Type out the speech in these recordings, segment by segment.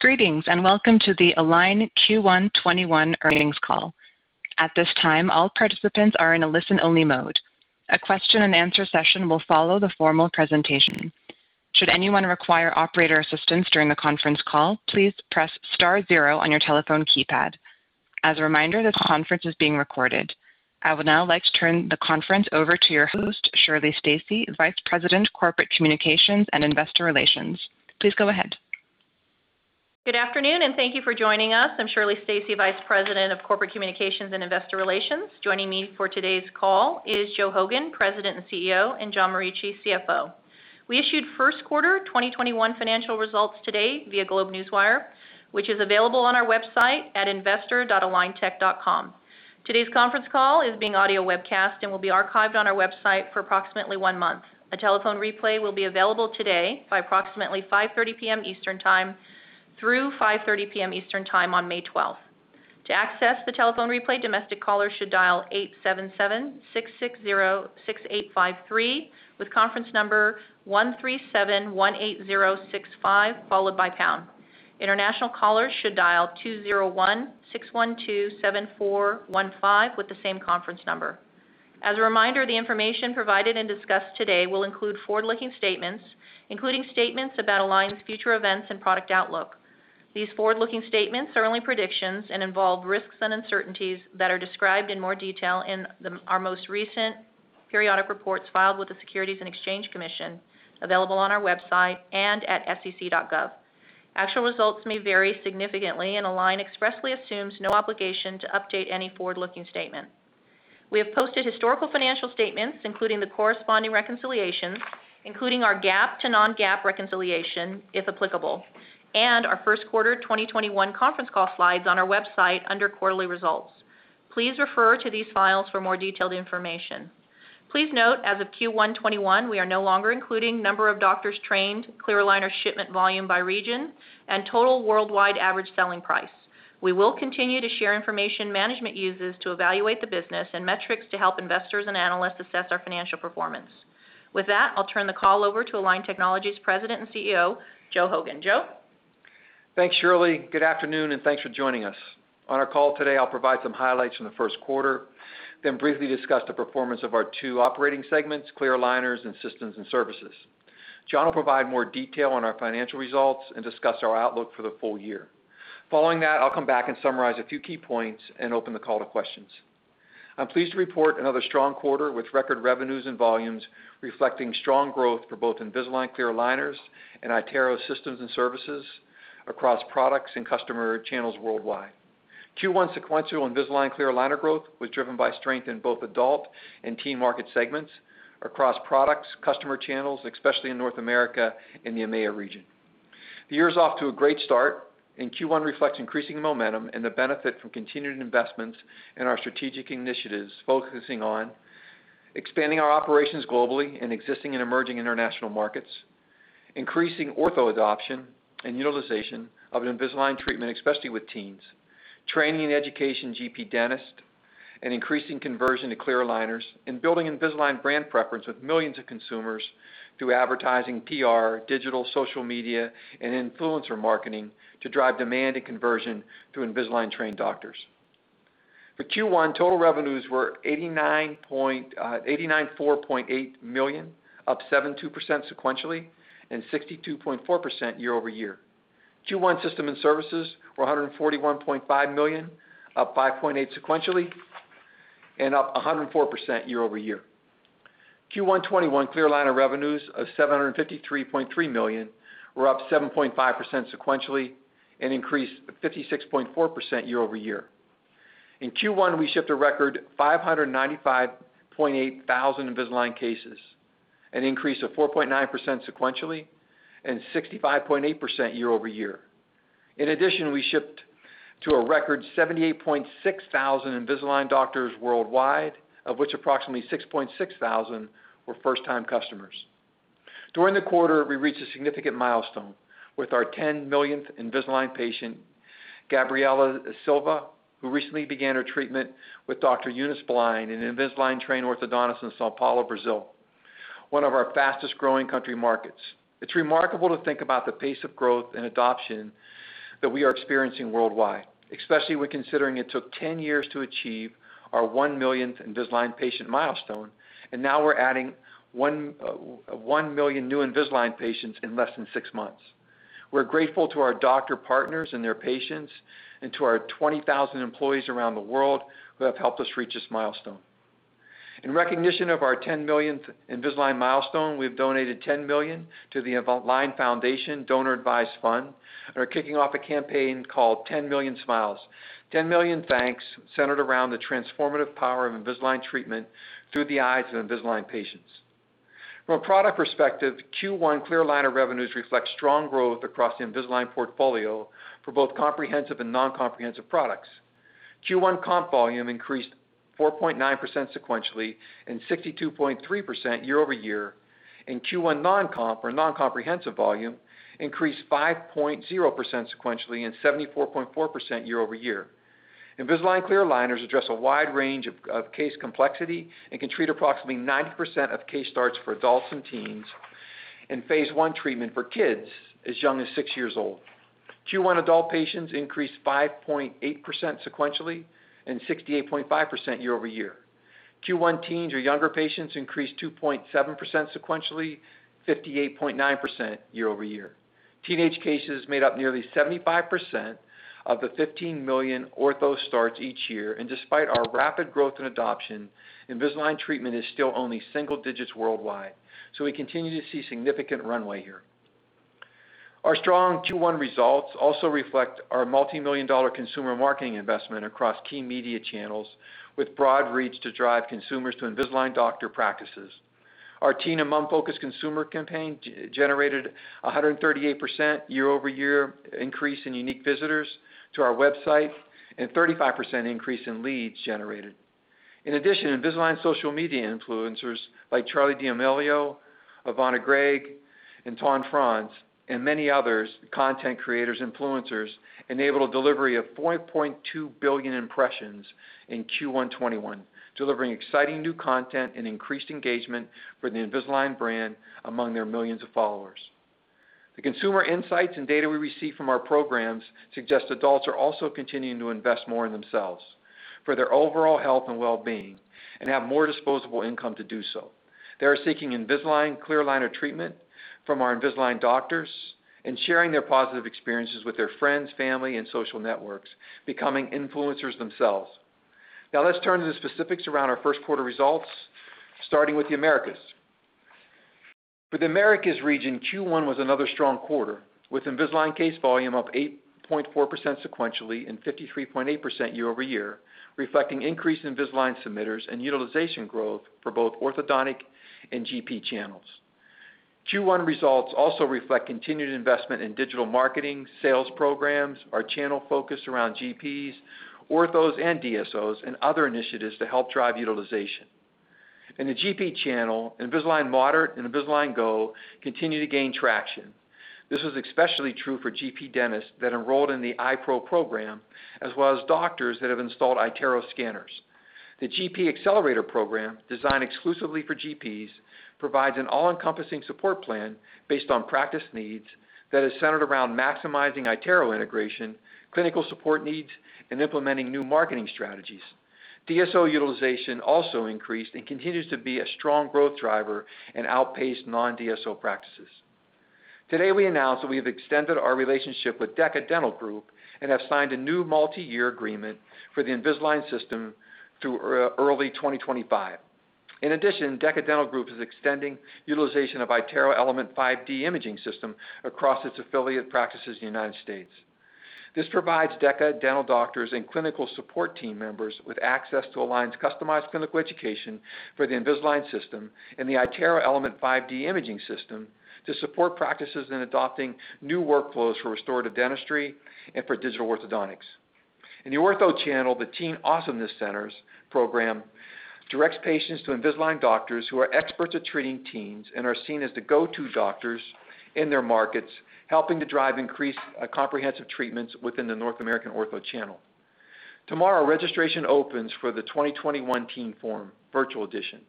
Greetings, welcome to the Align Q1 2021 earnings call. At this time, all participants are in a listen-only mode. A question and answer session will follow the formal presentation. Should anyone require operator assistance during the conference call, please press star zero on your telephone keypad. As a reminder, this conference is being recorded. I would now like to turn the conference over to your host, Shirley Stacy, Vice President, Corporate Communications and Investor Relations. Please go ahead. Good afternoon. Thank you for joining us. I'm Shirley Stacy, vice president of corporate communications and investor relations. Joining me for today's call is Joe Hogan, President and CEO, and John Morici, CFO. We issued first quarter 2021 financial results today via GlobeNewswire, which is available on our website at investor.aligntech.com. Today's conference call is being audio webcast and will be archived on our website for approximately one month. A telephone replay will be available today by approximately 5:30 P.M. Eastern Time through 5:30 P.M. Eastern Time on May 12th. To access the telephone replay, domestic callers should dial 877-660-6853 with conference number 13,718,065, followed by pound. International callers should dial 201-612-7415 with the same conference number. As a reminder, the information provided and discussed today will include forward-looking statements, including statements about Align's future events and product outlook. These forward-looking statements are only predictions and involve risks and uncertainties that are described in more detail in our most recent periodic reports filed with the Securities and Exchange Commission, available on our website and at sec.gov. Actual results may vary significantly, and Align expressly assumes no obligation to update any forward-looking statement. We have posted historical financial statements, including the corresponding reconciliations, including our GAAP to non-GAAP reconciliation, if applicable, and our first quarter 2021 conference call slides on our website under Quarterly Results. Please refer to these files for more detailed information. Please note, as of Q1 2021, we are no longer including number of doctors trained, clear aligner shipment volume by region, and total worldwide average selling price. We will continue to share information management uses to evaluate the business and metrics to help investors and analysts assess our financial performance. With that, I'll turn the call over to Align Technology's President and CEO, Joe Hogan. Joe? Thanks, Shirley Stacy. Good afternoon, and thanks for joining us. On our call today, I'll provide some highlights from the first quarter, then briefly discuss the performance of our two operating segments, Clear Aligners and Systems and Services. John Morici will provide more detail on our financial results and discuss our outlook for the full year. Following that, I'll come back and summarize a few key points and open the call to questions. I'm pleased to report another strong quarter with record revenues and volumes reflecting strong growth for both Invisalign Clear Aligners and iTero Systems and Services across products and customer channels worldwide. Q1 sequential Invisalign Clear Aligner growth was driven by strength in both adult and teen market segments across products, customer channels, especially in North America and the EMEA region. The year is off to a great start, and Q1 reflects increasing momentum and the benefit from continued investments in our strategic initiatives, focusing on expanding our operations globally in existing and emerging international markets, increasing ortho adoption and utilization of an Invisalign treatment, especially with teens, training and education GP dentist, and increasing conversion to clear aligners, and building Invisalign brand preference with millions of consumers through advertising, PR, digital, social media, and influencer marketing to drive demand and conversion through Invisalign-trained doctors. For Q1, total revenues were $894.8 million, up 7.2% sequentially and 62.4% year-over-year. Q1 systems and services were $141.5 million, up 5.8% sequentially and up 104% year-over-year. Q1 2021 clear aligner revenues of $753.3 million were up 7.5% sequentially and increased 56.4% year-over-year. In Q1, we shipped a record 595,800 Invisalign cases, an increase of 4.9% sequentially and 65.8% year-over-year. In addition, we shipped to a record 78,600 Invisalign doctors worldwide, of which approximately 66,000 were first-time customers. During the quarter, we reached a significant milestone with our 10 millionth Invisalign patient, Gabriela Silva, who recently began her treatment with Dr. Eunice Blind, an Invisalign-trained orthodontist in São Paulo, Brazil, one of our fastest-growing country markets. It's remarkable to think about the pace of growth and adoption that we are experiencing worldwide, especially when considering it took 10 years to achieve our one millionth Invisalign patient milestone, and now we're adding one million new Invisalign patients in less than six months. We're grateful to our doctor partners and their patients and to our 20,000 employees around the world who have helped us reach this milestone. In recognition of our 10 millionth Invisalign milestone, we've donated $10 million to the Align Foundation Donor Advised Fund and are kicking off a campaign called "10 Million Smiles, 10 Million Thanks, centered around the transformative power of Invisalign treatment through the eyes of Invisalign patients. From a product perspective, Q1 clear aligner revenues reflect strong growth across the Invisalign portfolio for both comprehensive and non-comprehensive products. Q1 comp volume increased 4.9% sequentially and 62.3% year-over-year. Q1 non-comp, or non-comprehensive volume, increased 5.0% sequentially and 74.4% year-over-year. Invisalign clear aligners address a wide range of case complexity and can treat approximately 90% of case starts for adults and teens and phase one treatment for kids as young as six years old. Q1 adult patients increased 5.8% sequentially and 68.5% year-over-year. Q1 teens or younger patients increased 2.7% sequentially, 58.9% year-over-year. Teenage cases made up nearly 75% of the 15 million ortho starts each year, and despite our rapid growth and adoption, Invisalign treatment is still only single digits worldwide. We continue to see significant runway here. Our strong Q1 results also reflect our multimillion dollar consumer marketing investment across key media channels, with broad reach to drive consumers to Invisalign doctor practices. Our teen- and mom-focused consumer campaign generated a 138% year-over-year increase in unique visitors to our website and a 35% increase in leads generated. In addition, Invisalign social media influencers, like Charli D'Amelio, Avani Gregg, and Tannar, and many others, content creators, influencers, enabled a delivery of 4.2 billion impressions in Q1 2021, delivering exciting new content and increased engagement for the Invisalign brand among their millions of followers. The consumer insights and data we receive from our programs suggest adults are also continuing to invest more in themselves, for their overall health and well-being, and have more disposable income to do so. They are seeking Invisalign clear aligner treatment from our Invisalign doctors and sharing their positive experiences with their friends, family, and social networks, becoming influencers themselves. Let's turn to the specifics around our first quarter results, starting with the Americas. For the Americas region, Q1 was another strong quarter, with Invisalign case volume up 8.4% sequentially and 53.8% year-over-year, reflecting increased Invisalign submitters and utilization growth for both orthodontic and GP channels. Q1 results also reflect continued investment in digital marketing, sales programs, our channel focus around GPs, orthos, and DSOs, and other initiatives to help drive utilization. In the GP channel, Invisalign Moderate and Invisalign Go continue to gain traction. This was especially true for GP dentists that enrolled in the iPro program, as well as doctors that have installed iTero scanners. The GP Accelerator program, designed exclusively for GPs, provides an all-encompassing support plan based on practice needs that is centered around maximizing iTero integration, clinical support needs, and implementing new marketing strategies. DSO utilization also increased and continues to be a strong growth driver and outpaced non-DSO practices. Today, we announced that we have extended our relationship with DECA Dental Group and have signed a new multi-year agreement for the Invisalign system through early 2025. In addition, DECA Dental Group is extending utilization of iTero Element 5D imaging system across its affiliate practices in the U.S. This provides DECA Dental doctors and clinical support team members with access to Align's customized clinical education for the Invisalign system and the iTero Element 5D imaging system to support practices in adopting new workflows for restorative dentistry and for digital orthodontics. In the ortho channel, the Teen Awesomeness Centers program directs patients to Invisalign doctors who are experts at treating teens and are seen as the go-to doctors in their markets, helping to drive increased comprehensive treatments within the North American ortho channel. Tomorrow, registration opens for the 2021 Teen Forum Virtual Edition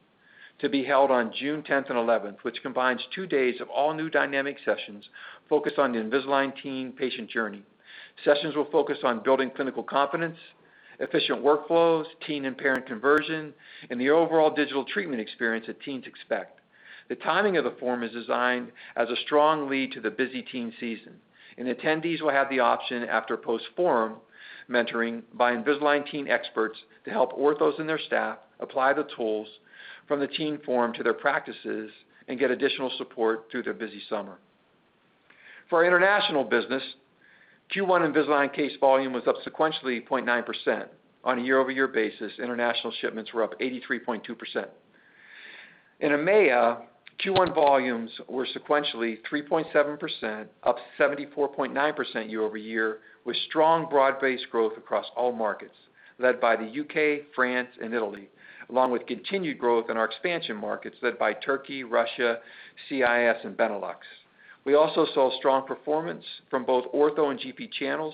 to be held on June 10th and 11th, which combines two days of all new dynamic sessions focused on the Invisalign teen patient journey. Sessions will focus on building clinical confidence, efficient workflows, teen and parent conversion, and the overall digital treatment experience that teens expect. The timing of the forum is designed as a strong lead to the busy teen season, and attendees will have the option after post-forum mentoring by Invisalign teen experts to help orthos and their staff apply the tools from the Teen Forum to their practices and get additional support through their busy summer. For our international business, Q1 Invisalign case volume was up sequentially 0.9%. On a year-over-year basis, international shipments were up 83.2%. In EMEA, Q1 volumes were sequentially 3.7% up, 74.9% year-over-year, with strong broad-based growth across all markets, led by the UK, France, and Italy, along with continued growth in our expansion markets led by Turkey, Russia, CIS, and Benelux. We also saw strong performance from both ortho and GP channels,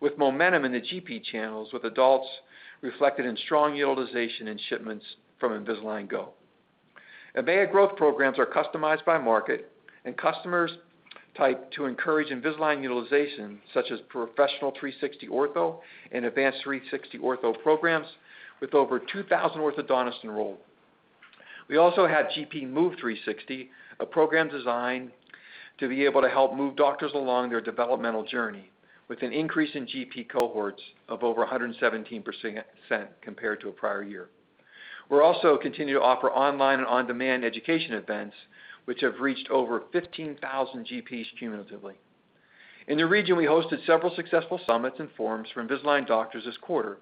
with momentum in the GP channels with adults reflected in strong utilization and shipments from Invisalign Go. EMEA growth programs are customized by market and customers type to encourage Invisalign utilization, such as Professional 360 Ortho and Advanced 360 Ortho programs, with over 2,000 orthodontists enrolled. We also had GP Move 360, a program designed to be able to help move doctors along their developmental journey, with an increase in GP cohorts of over 117% compared to a prior year. We are also continuing to offer online and on-demand education events, which have reached over 15,000 GPs cumulatively. In the region, we hosted several successful summits and forums for Invisalign doctors this quarter.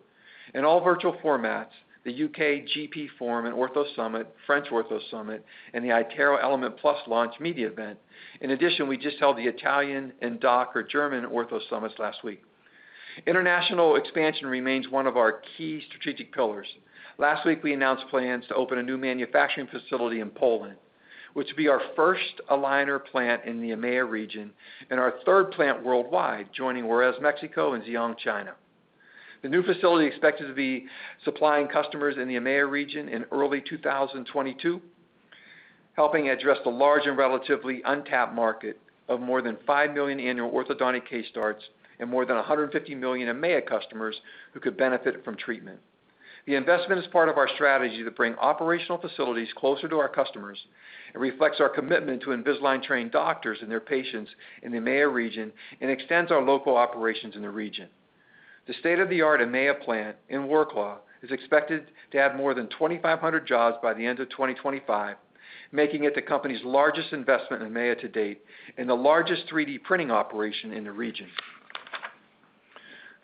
In all virtual formats, the U.K. GP Forum and Ortho Summit, French Ortho Summit, and the iTero Element Plus launch media event. In addition, we just held the Italian and D.A.CH., or German, Ortho summits last week. International expansion remains one of our key strategic pillars. Last week, we announced plans to open a new manufacturing facility in Poland, which would be our first aligner plant in the EMEA region and our third plant worldwide, joining Juárez, Mexico, and Ziyang, China. The new facility is expected to be supplying customers in the EMEA region in early 2022, helping address the large and relatively untapped market of more than 5 million annual orthodontic case starts and more than 150 million EMEA customers who could benefit from treatment. The investment is part of our strategy to bring operational facilities closer to our customers and reflects our commitment to Invisalign-trained doctors and their patients in the EMEA region and extends our local operations in the region. The state-of-the-art EMEA plant in Wrocław is expected to add more than 2,500 jobs by the end of 2025, making it the company's largest investment in EMEA to date and the largest 3D printing operation in the region.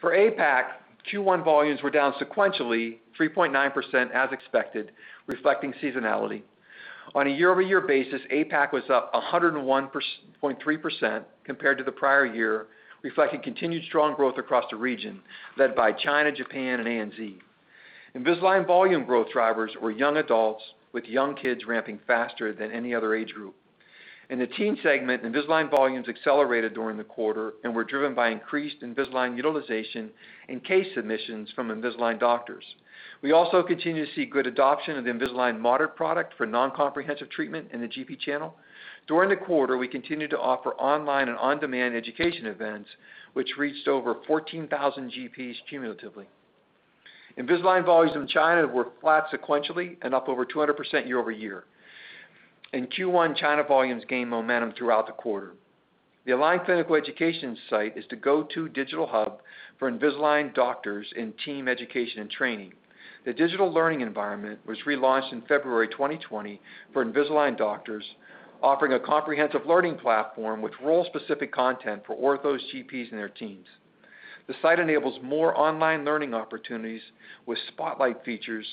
For APAC, Q1 volumes were down sequentially 3.9% as expected, reflecting seasonality. On a year-over-year basis, APAC was up 101.3% compared to the prior year, reflecting continued strong growth across the region, led by China, Japan, and ANZ. Invisalign volume growth drivers were young adults, with young kids ramping faster than any other age group. In the teen segment, Invisalign volumes accelerated during the quarter and were driven by increased Invisalign utilization and case submissions from Invisalign doctors. We also continue to see good adoption of the Invisalign Moderate product for non-comprehensive treatment in the GP channel. During the quarter, we continued to offer online and on-demand education events, which reached over 14,000 GPs cumulatively. Invisalign volumes in China were flat sequentially and up over 200% year-over-year. In Q1, China volumes gained momentum throughout the quarter. The Align Clinical Education site is the go-to digital hub for Invisalign doctors in team education and training. The digital learning environment was relaunched in February 2020 for Invisalign doctors, offering a comprehensive learning platform with role-specific content for orthos, GPs, and their teams. The site enables more online learning opportunities with spotlight features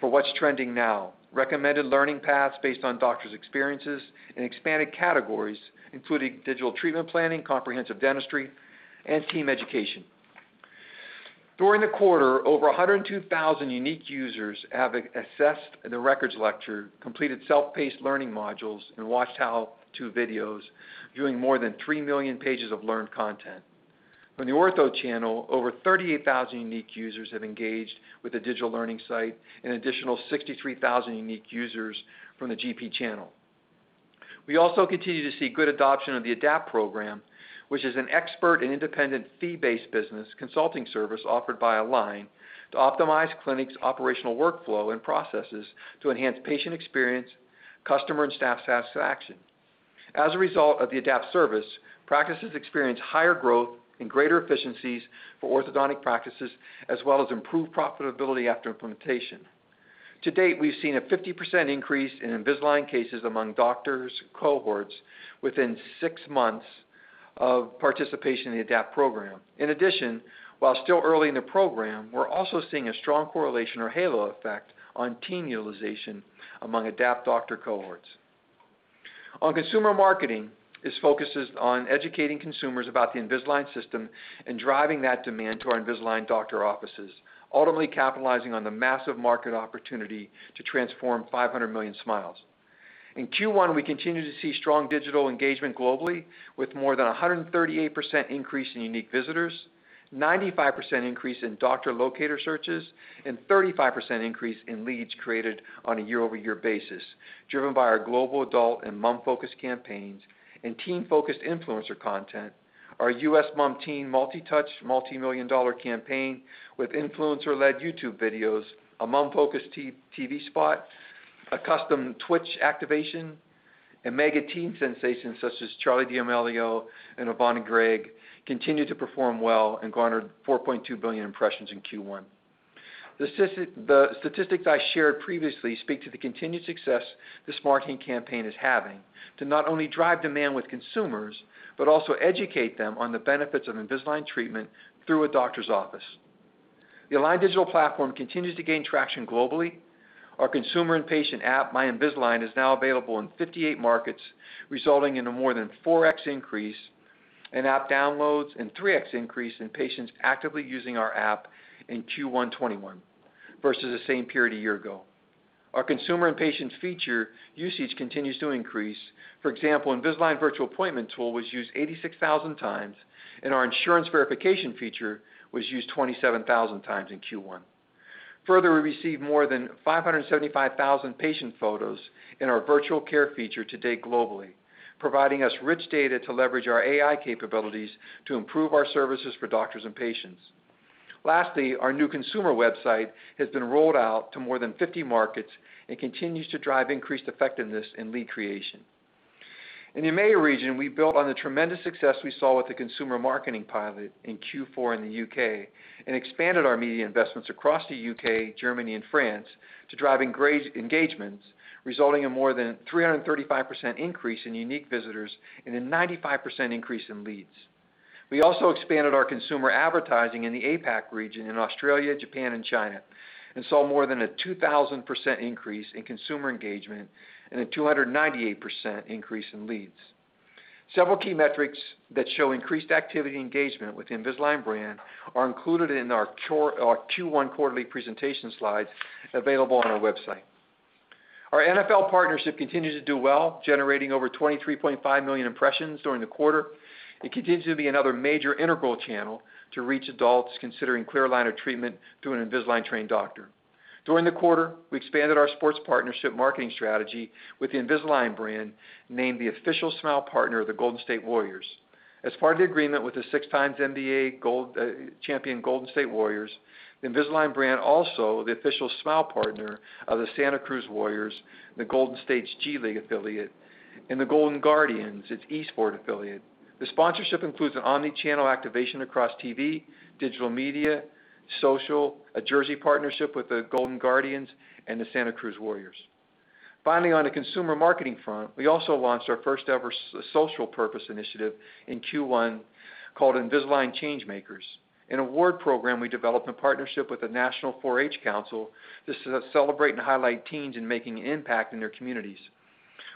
for what's trending now, recommended learning paths based on doctors' experiences, and expanded categories, including digital treatment planning, comprehensive dentistry, and team education. During the quarter, over 102,000 unique users have accessed the records lecture, completed self-paced learning modules, and watched how-to videos, viewing more than three million pages of learned content. On the ortho channel, over 38,000 unique users have engaged with the digital learning site, an additional 63,000 unique users from the GP channel. We also continue to see good adoption of the ADAPT program, which is an expert and independent fee-based business consulting service offered by Align to optimize clinics' operational workflow and processes to enhance patient experience, customer and staff satisfaction. As a result of the ADAPT service, practices experience higher growth and greater efficiencies for orthodontic practices, as well as improved profitability after implementation. To date, we've seen a 50% increase in Invisalign cases among doctors, cohorts within six months of participation in the ADAPT program. In addition, while still early in the program, we're also seeing a strong correlation or halo effect on teen utilization among ADAPT doctor cohorts. On consumer marketing, this focuses on educating consumers about the Invisalign system and driving that demand to our Invisalign doctor offices, ultimately capitalizing on the massive market opportunity to transform 500 million smiles. In Q1, we continue to see strong digital engagement globally with more than 138% increase in unique visitors, 95% increase in doctor locator searches, and 35% increase in leads created on a year-over-year basis, driven by our global adult and mom focus campaigns and teen-focused influencer content. Our U.S. mom teen multi-touch, multimillion-dollar campaign with influencer-led YouTube videos, a mom-focused TV spot, a custom Twitch activation, and mega teen sensations such as Charli D'Amelio and Avani Gregg continues to perform well and garnered 4.2 billion impressions in Q1. The statistics I shared previously speak to the continued success this marketing campaign is having to not only drive demand with consumers, but also educate them on the benefits of Invisalign treatment through a doctor's office. The Align Digital Platform continues to gain traction globally. Our consumer and patient app, My Invisalign, is now available in 58 markets, resulting in a more than 4X increase in app downloads and 3X increase in patients actively using our app in Q1 2021 versus the same period a year ago. Our consumers' and patients' feature usage continues to increase. For example, Invisalign Virtual Appointment tool was used 86,000 times, and our insurance verification feature was used 27,000 times in Q1. Further, we received more than 575,000 patient photos in our virtual care feature to date globally, providing us rich data to leverage our AI capabilities to improve our services for doctors and patients. Lastly, our new consumer website has been rolled out to more than 50 markets and continues to drive increased effectiveness in lead creation. In the EMEA region, we built on the tremendous success we saw with the consumer marketing pilot in Q4 in the U.K. and expanded our media investments across the U.K., Germany, and France to drive engagements, resulting in more than a 335% increase in unique visitors and a 95% increase in leads. We also expanded our consumer advertising in the APAC region in Australia, Japan, and China and saw more than a 2,000% increase in consumer engagement and a 298% increase in leads. Several key metrics that show increased activity engagement with the Invisalign brand are included in our Q1 quarterly presentation slides available on our website. Our NFL partnership continues to do well, generating over 23.5 million impressions during the quarter, and continues to be another major integral channel to reach adults considering clear aligner treatment through an Invisalign-trained doctor. During the quarter, we expanded our sports partnership marketing strategy with the Invisalign brand, named the official smile partner of the Golden State Warriors. As part of the agreement with the six-time NBA champion Golden State Warriors, the Invisalign brand, also the official smile partner of the Santa Cruz Warriors, the Golden State's G League affiliate, and the Golden Guardians, its e-sports affiliate. The sponsorship includes an omni-channel activation across TV, digital media, social, a jersey partnership with the Golden Guardians and the Santa Cruz Warriors. Finally, on the consumer marketing front, we also launched our first-ever social purpose initiative in Q1 called Invisalign ChangeMakers, an award program we developed in partnership with the National 4-H Council to celebrate and highlight teens and making an impact in their communities.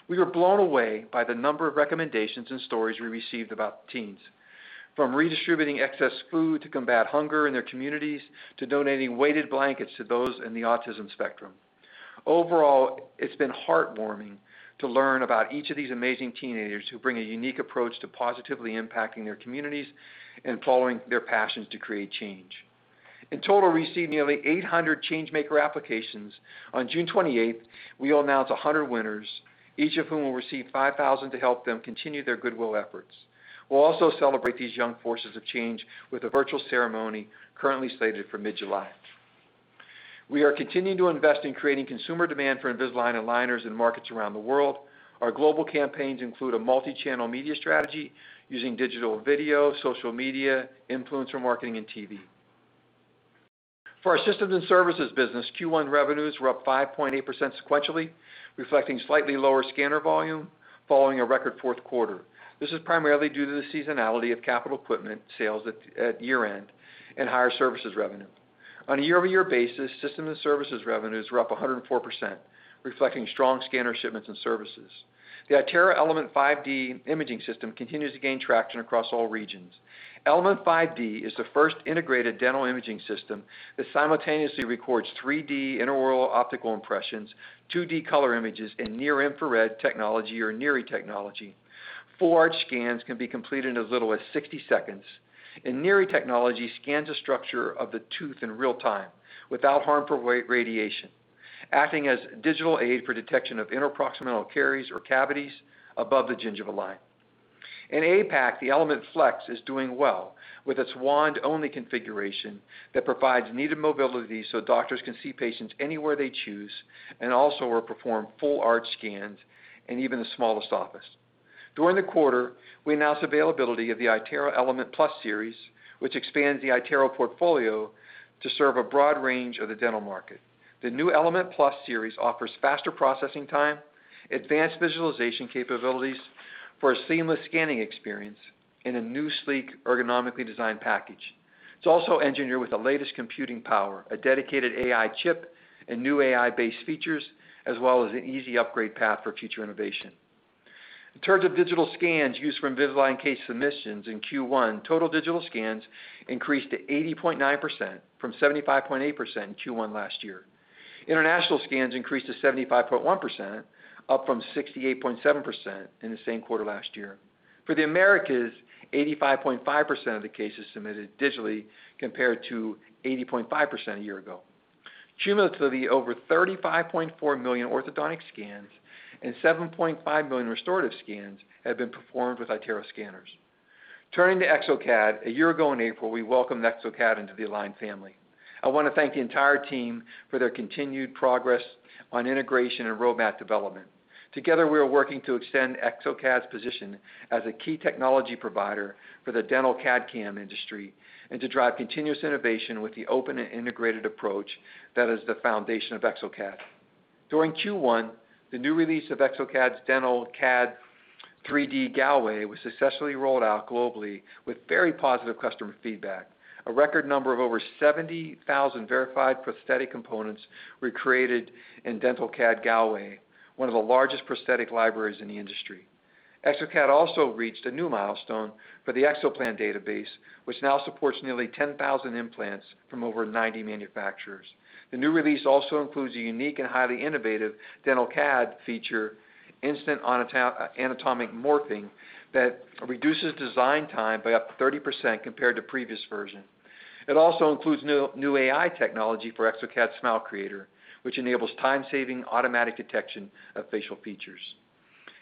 We were blown away by the number of recommendations and stories we received about teens, from redistributing excess food to combat hunger in their communities to donating weighted blankets to those in the autism spectrum. Overall, it's been heartwarming to learn about each of these amazing teenagers who bring a unique approach to positively impacting their communities and following their passions to create change. In total, we received nearly 800 ChangeMaker applications. On June 28th, we will announce 100 winners, each of whom will receive $5,000 to help them continue their goodwill efforts. We'll also celebrate these young forces of change with a virtual ceremony currently slated for mid-July. We are continuing to invest in creating consumer demand for Invisalign aligners in markets around the world. Our global campaigns include a multi-channel media strategy using digital video, social media, influencer marketing, and TV. For our systems and services business, Q1 revenues were up 5.8% sequentially, reflecting slightly lower scanner volume following a record fourth quarter. This is primarily due to the seasonality of capital equipment sales at year-end and higher services revenue. On a year-over-year basis, systems and services revenues were up 104%, reflecting strong scanner shipments and services. The iTero Element 5D imaging system continues to gain traction across all regions. Element 5D is the first integrated dental imaging system that simultaneously records 3D intraoral optical impressions, 2D color images, and near-infrared technology or NIRI technology. Full-arch scans can be completed in as little as 60 seconds, and NIRI technology scans the structure of the tooth in real time without harmful radiation, acting as a digital aid for detection of interproximal caries or cavities above the gingival line. In APAC, the Element Flex is doing well with its wand-only configuration that provides needed mobility so doctors can see patients anywhere they choose and also will perform full arch scans in even the smallest office. During the quarter, we announced availability of the iTero Element Plus series, which expands the iTero portfolio to serve a broad range of the dental market. The new Element Plus series offers faster processing time, advanced visualization capabilities for a seamless scanning experience in a new, sleek, ergonomically designed package. It's also engineered with the latest computing power, a dedicated AI chip, and new AI-based features, as well as an easy upgrade path for future innovation. In terms of digital scans used for Invisalign case submissions in Q1, total digital scans increased to 80.9% from 75.8% in Q1 last year. International scans increased to 75.1%, up from 68.7% in the same quarter last year. For the Americas, 85.5% of the cases submitted digitally, compared to 80.5% a year ago. Cumulatively, over 35.4 million orthodontic scans and 7.5 million restorative scans have been performed with iTero scanners. Turning to exocad, a year ago in April, we welcomed exocad into the Align family. I want to thank the entire team for their continued progress on integration and roadmap development. Together, we are working to extend exocad's position as a key technology provider for the dental CAD/CAM industry and to drive continuous innovation with the open and integrated approach that is the foundation of exocad. During Q1, the new release of exocad's DentalCAD 3D Galway was successfully rolled out globally with very positive customer feedback. A record number of over 70,000 verified prosthetic components were created in DentalCAD Galway, one of the largest prosthetic libraries in the industry. exocad also reached a new milestone for the exoplan database, which now supports nearly 10,000 implants from over 90 manufacturers. The new release also includes a unique and highly innovative DentalCAD feature, Instant Anatomic Morphing, that reduces design time by up to 30% compared to previous versions. It also includes new AI technology for exocad Smile Creator, which enables time-saving automatic detection of facial features.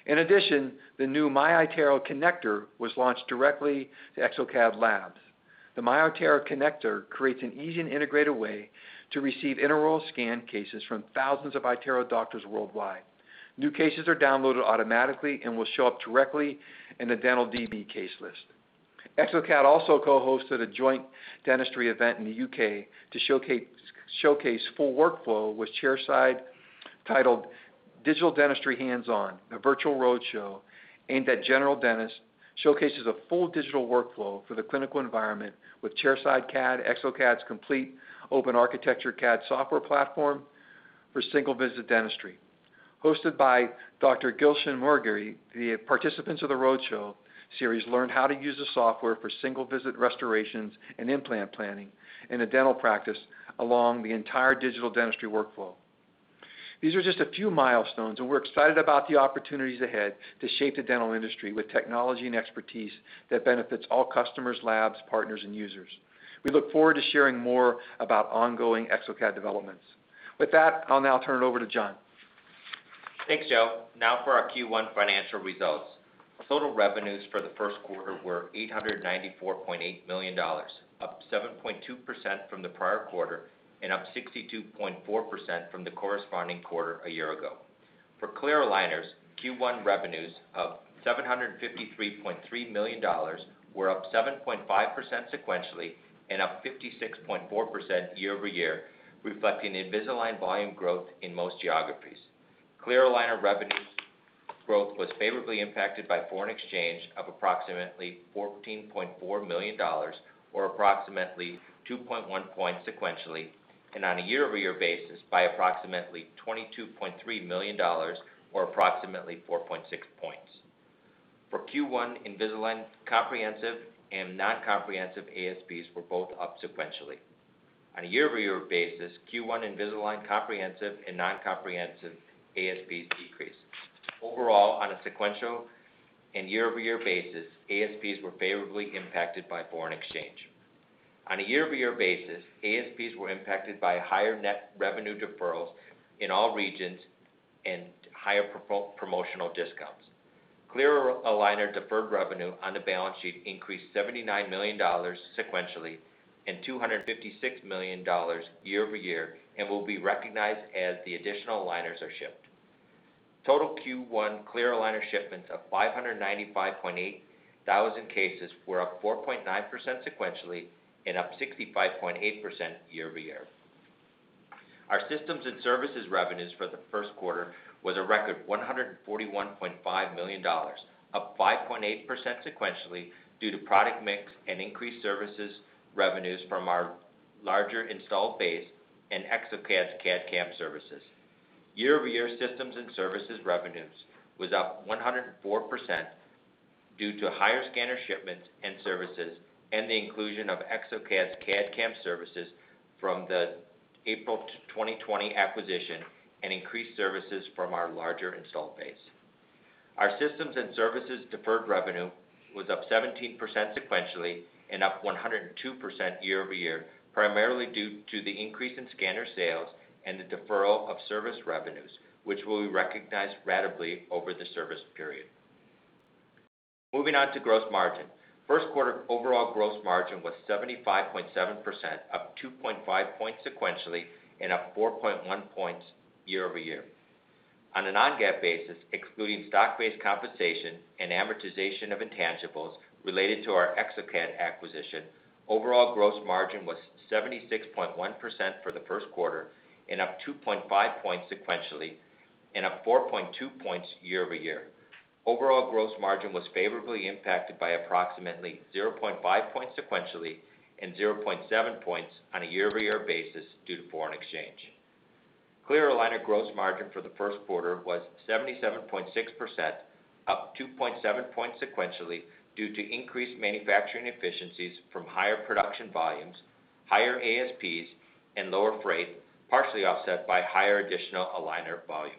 The new MyiTero connector was launched directly to exocad. The MyiTero connector creates an easy and integrated way to receive intraoral scan cases from thousands of iTero doctors worldwide. New cases are downloaded automatically and will show up directly in the DentalDB case list. exocad also co-hosted a joint dentistry event in the U.K. to showcase full workflow with chairside, titled Digital Dentistry Hands-On, a virtual roadshow aimed at general dentists. It showcases a full digital workflow for the clinical environment with chairside CAD, exocad's complete open-architecture CAD software platform. For single-visit dentistry. Hosted by Dr. Gulshan Murgai, the participants of the roadshow series learned how to use the software for single-visit restorations and implant planning in a dental practice along the entire digital dentistry workflow. These are just a few milestones; we're excited about the opportunities ahead to shape the dental industry with technology and expertise that benefits all customers, labs, partners, and users. We look forward to sharing more about ongoing exocad developments. With that, I'll now turn it over to John. Thanks, Joe. Now for our Q1 financial results. Our total revenues for the first quarter were $894.8 million, up 7.2% from the prior quarter and up 62.4% from the corresponding quarter a year ago. For clear aligners, Q1 revenues of $753.3 million were up 7.5% sequentially and up 56.4% year over year, reflecting Invisalign volume growth in most geographies. Clear aligner revenue growth was favorably impacted by foreign exchange of approximately $14.4 million, or approximately 2.1 points sequentially, and on a year-over-year basis, by approximately $22.3 million, or approximately 4.6 points. For Q1 Invisalign comprehensive and non-comprehensive ASPs were both up sequentially. On a year-over-year basis, Q1 Invisalign comprehensive and non-comprehensive ASPs decreased. Overall, on a sequential and year-over-year basis, ASPs were favorably impacted by foreign exchange. On a year-over-year basis, ASPs were impacted by higher net revenue deferrals in all regions and higher promotional discounts. Clear aligner deferred revenue on the balance sheet increased $79 million sequentially and $256 million year over year and will be recognized as the additional aligners are shipped. Total Q1 clear aligner shipments of 595.8 thousand cases were up 4.9% sequentially and up 65.8% year-over-year. Our systems and services revenues for the first quarter was a record $141.5 million, up 5.8% sequentially due to product mix and increased services revenues from our larger installed base and exocad's CAD/CAM services. Year-over-year systems and services revenues was up 104% due to higher scanner shipments and services and the inclusion of exocad's CAD/CAM services from the April 2020 acquisition and increased services from our larger installed base. Our systems and services deferred revenue was up 17% sequentially and up 102% year-over-year, primarily due to the increase in scanner sales and the deferral of service revenues, which will be recognized ratably over the service period. Moving on to gross margin. First quarter overall gross margin was 75.7%, up 2.5 points sequentially and up 4.1 points year-over-year. On a non-GAAP basis, excluding stock-based compensation and amortization of intangibles related to our exocad acquisition, overall gross margin was 76.1% for the first quarter and up 2.5 points sequentially and up 4.2 points year-over-year. Overall gross margin was favorably impacted by approximately 0.5 points sequentially and 0.7 points on a year-over-year basis due to foreign exchange. Clear aligner gross margin for the first quarter was 77.6%, up 2.7 points sequentially due to increased manufacturing efficiencies from higher production volumes, higher ASPs, and lower freight, partially offset by higher additional aligner volume.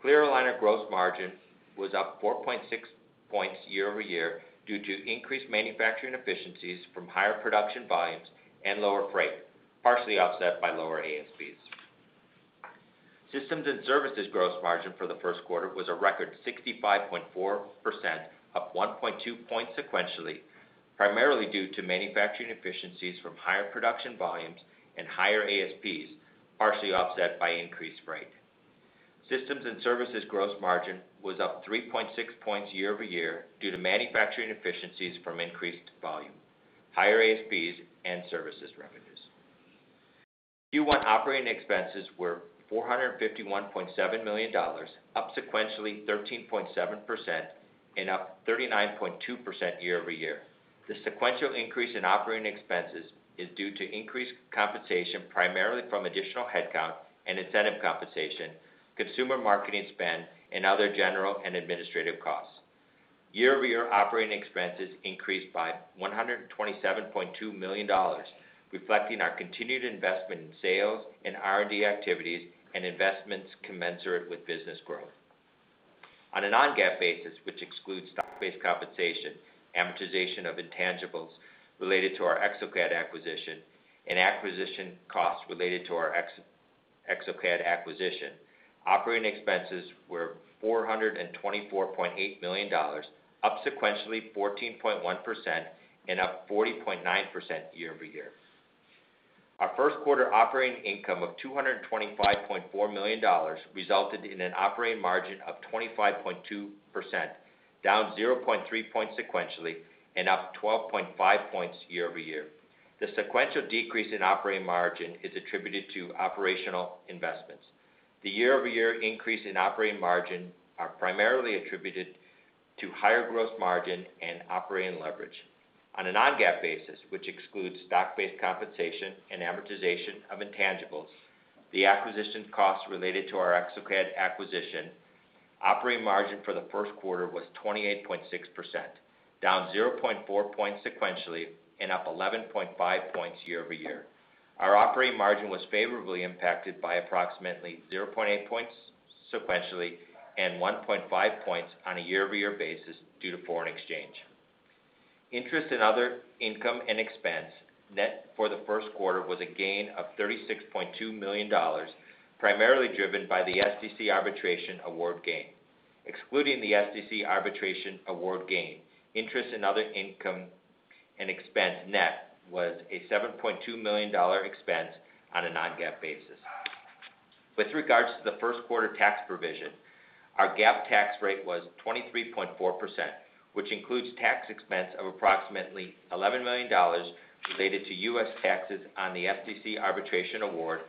Clear aligner gross margin was up 4.6 points year-over-year due to increased manufacturing efficiencies from higher production volumes and lower freight, partially offset by lower ASPs. Systems and services gross margin for the first quarter was a record 65.4%, up 1.2 points sequentially, primarily due to manufacturing efficiencies from higher production volumes and higher ASPs, partially offset by increased freight. Systems and services gross margin was up 3.6 points year-over-year due to manufacturing efficiencies from increased volume, higher ASPs, and services revenues. Q1 operating expenses were $451.7 million, up sequentially 13.7% and up 39.2% year-over-year. The sequential increase in operating expenses is due to increased compensation, primarily from additional headcount and incentive compensation, consumer marketing spend, and other general and administrative costs. Year-over-year operating expenses increased by $127.2 million, reflecting our continued investment in sales and R&D activities and investments commensurate with business growth. On a non-GAAP basis, which excludes stock-based compensation, amortization of intangibles related to our exocad acquisition, and acquisition costs related to our exocad acquisition, operating expenses were $424.8 million, up sequentially 14.1% and up 40.9% year-over-year. Our first quarter operating income of $225.4 million resulted in an operating margin of 25.2%, down 0.3 points sequentially and up 12.5 points year-over-year. The sequential decrease in operating margin is attributed to operational investments. The year-over-year increase in operating margin are primarily attributed to higher gross margin and operating leverage. On a non-GAAP basis, which excludes stock-based compensation and amortization of intangibles, the acquisition costs related to our exocad acquisition operating margin for the first quarter was 28.6%, down 0.4 points sequentially and up 11.5 points year-over-year. Our operating margin was favorably impacted by approximately 0.8 points sequentially and 1.5 points on a year-over-year basis due to foreign exchange. Interest and other income and expense net for the first quarter was a gain of $36.2 million, primarily driven by the SmileDirectClub arbitration award gain. Excluding the SmileDirectClub arbitration award gain, interest and other income and expense net was a $7.2 million expense on a non-GAAP basis. With regards to the first quarter tax provision, our GAAP tax rate was 23.4%, which includes tax expense of approximately $11 million related to U.S. taxes on the SmileDirectClub arbitration award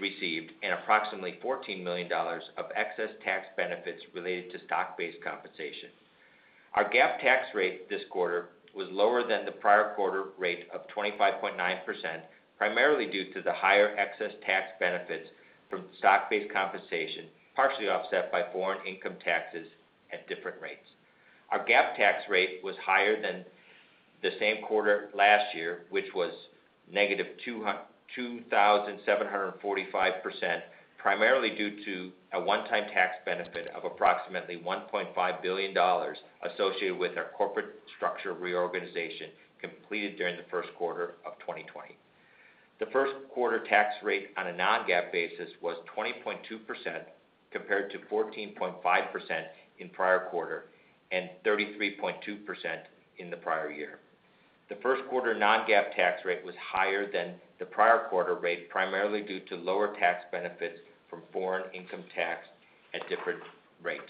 received and approximately $14 million of excess tax benefits related to stock-based compensation. Our GAAP tax rate this quarter was lower than the prior quarter rate of 25.9%, primarily due to the higher excess tax benefits from stock-based compensation, partially offset by foreign income taxes at different rates. Our GAAP tax rate was higher than the same quarter last year, which was negative 2,745%, primarily due to a one-time tax benefit of approximately $1.5 billion associated with our corporate structure reorganization completed during the first quarter of 2020. The first-quarter tax rate on a non-GAAP basis was 20.2% compared to 14.5% in prior quarter and 33.2% in the prior year. The first quarter non-GAAP tax rate was higher than the prior quarter rate, primarily due to lower tax benefits from foreign income tax at different rates.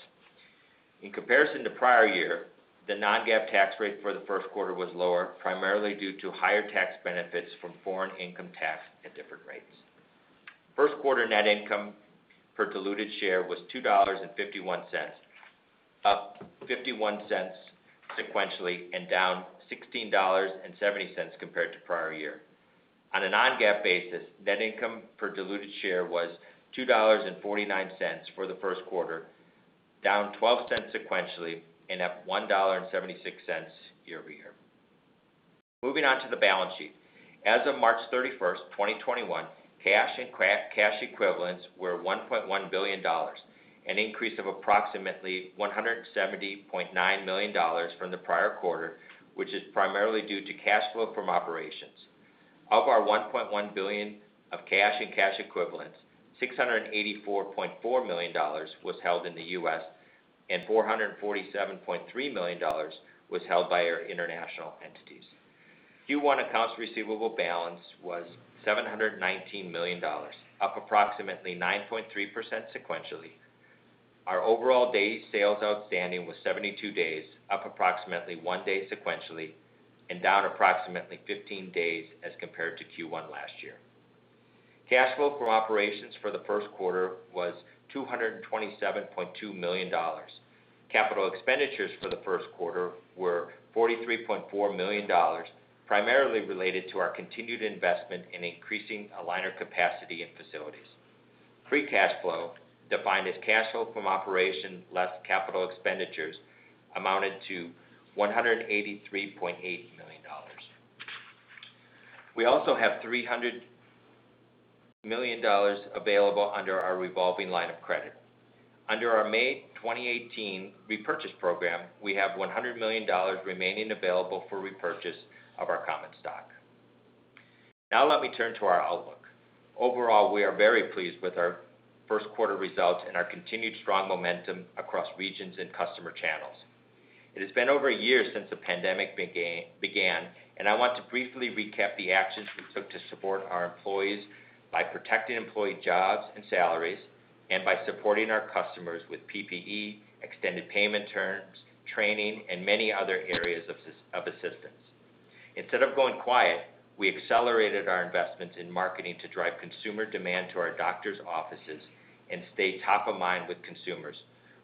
In comparison to prior year, the non-GAAP tax rate for the first quarter was lower, primarily due to higher tax benefits from foreign income tax at different rates. First quarter net income per diluted share was $2.51, up $0.51 sequentially and down $16.70 compared to prior year. On a non-GAAP basis, net income per diluted share was $2.49 for the first quarter, down $0.12 sequentially and up $1.76 year-over-year. Moving on to the balance sheet. As of March 31st, 2021, cash and cash equivalents were $1.1 billion, an increase of approximately $170.9 million from the prior quarter, which is primarily due to cash flow from operations. Of our $1.1 billion of cash and cash equivalents, $684.4 million was held in the U.S., and $447.3 million was held by our international entities. Q1 accounts receivable balance was $719 million, up approximately 9.3% sequentially. Our overall day sales outstanding was 72 days, up approximately one day sequentially and down approximately 15 days as compared to Q1 last year. Cash flow from operations for the first quarter was $227.2 million. Capital expenditures for the first quarter were $43.4 million, primarily related to our continued investment in increasing aligner capacity in facilities. Free cash flow, defined as cash flow from operations less capital expenditures, amounted to $183.8 million. We also have $300 million available under our revolving line of credit. Under our May 2018 repurchase program, we have $100 million remaining available for repurchase of our common stock. Let me turn to our outlook. Overall, we are very pleased with our first quarter results and our continued strong momentum across regions and customer channels. It has been over a year since the pandemic began, and I want to briefly recap the actions we took to support our employees by protecting employee jobs and salaries and by supporting our customers with PPE, extended payment terms, training, and many other areas of assistance. Instead of going quiet, we accelerated our investments in marketing to drive consumer demand to our doctors' offices and stay top of mind with consumers.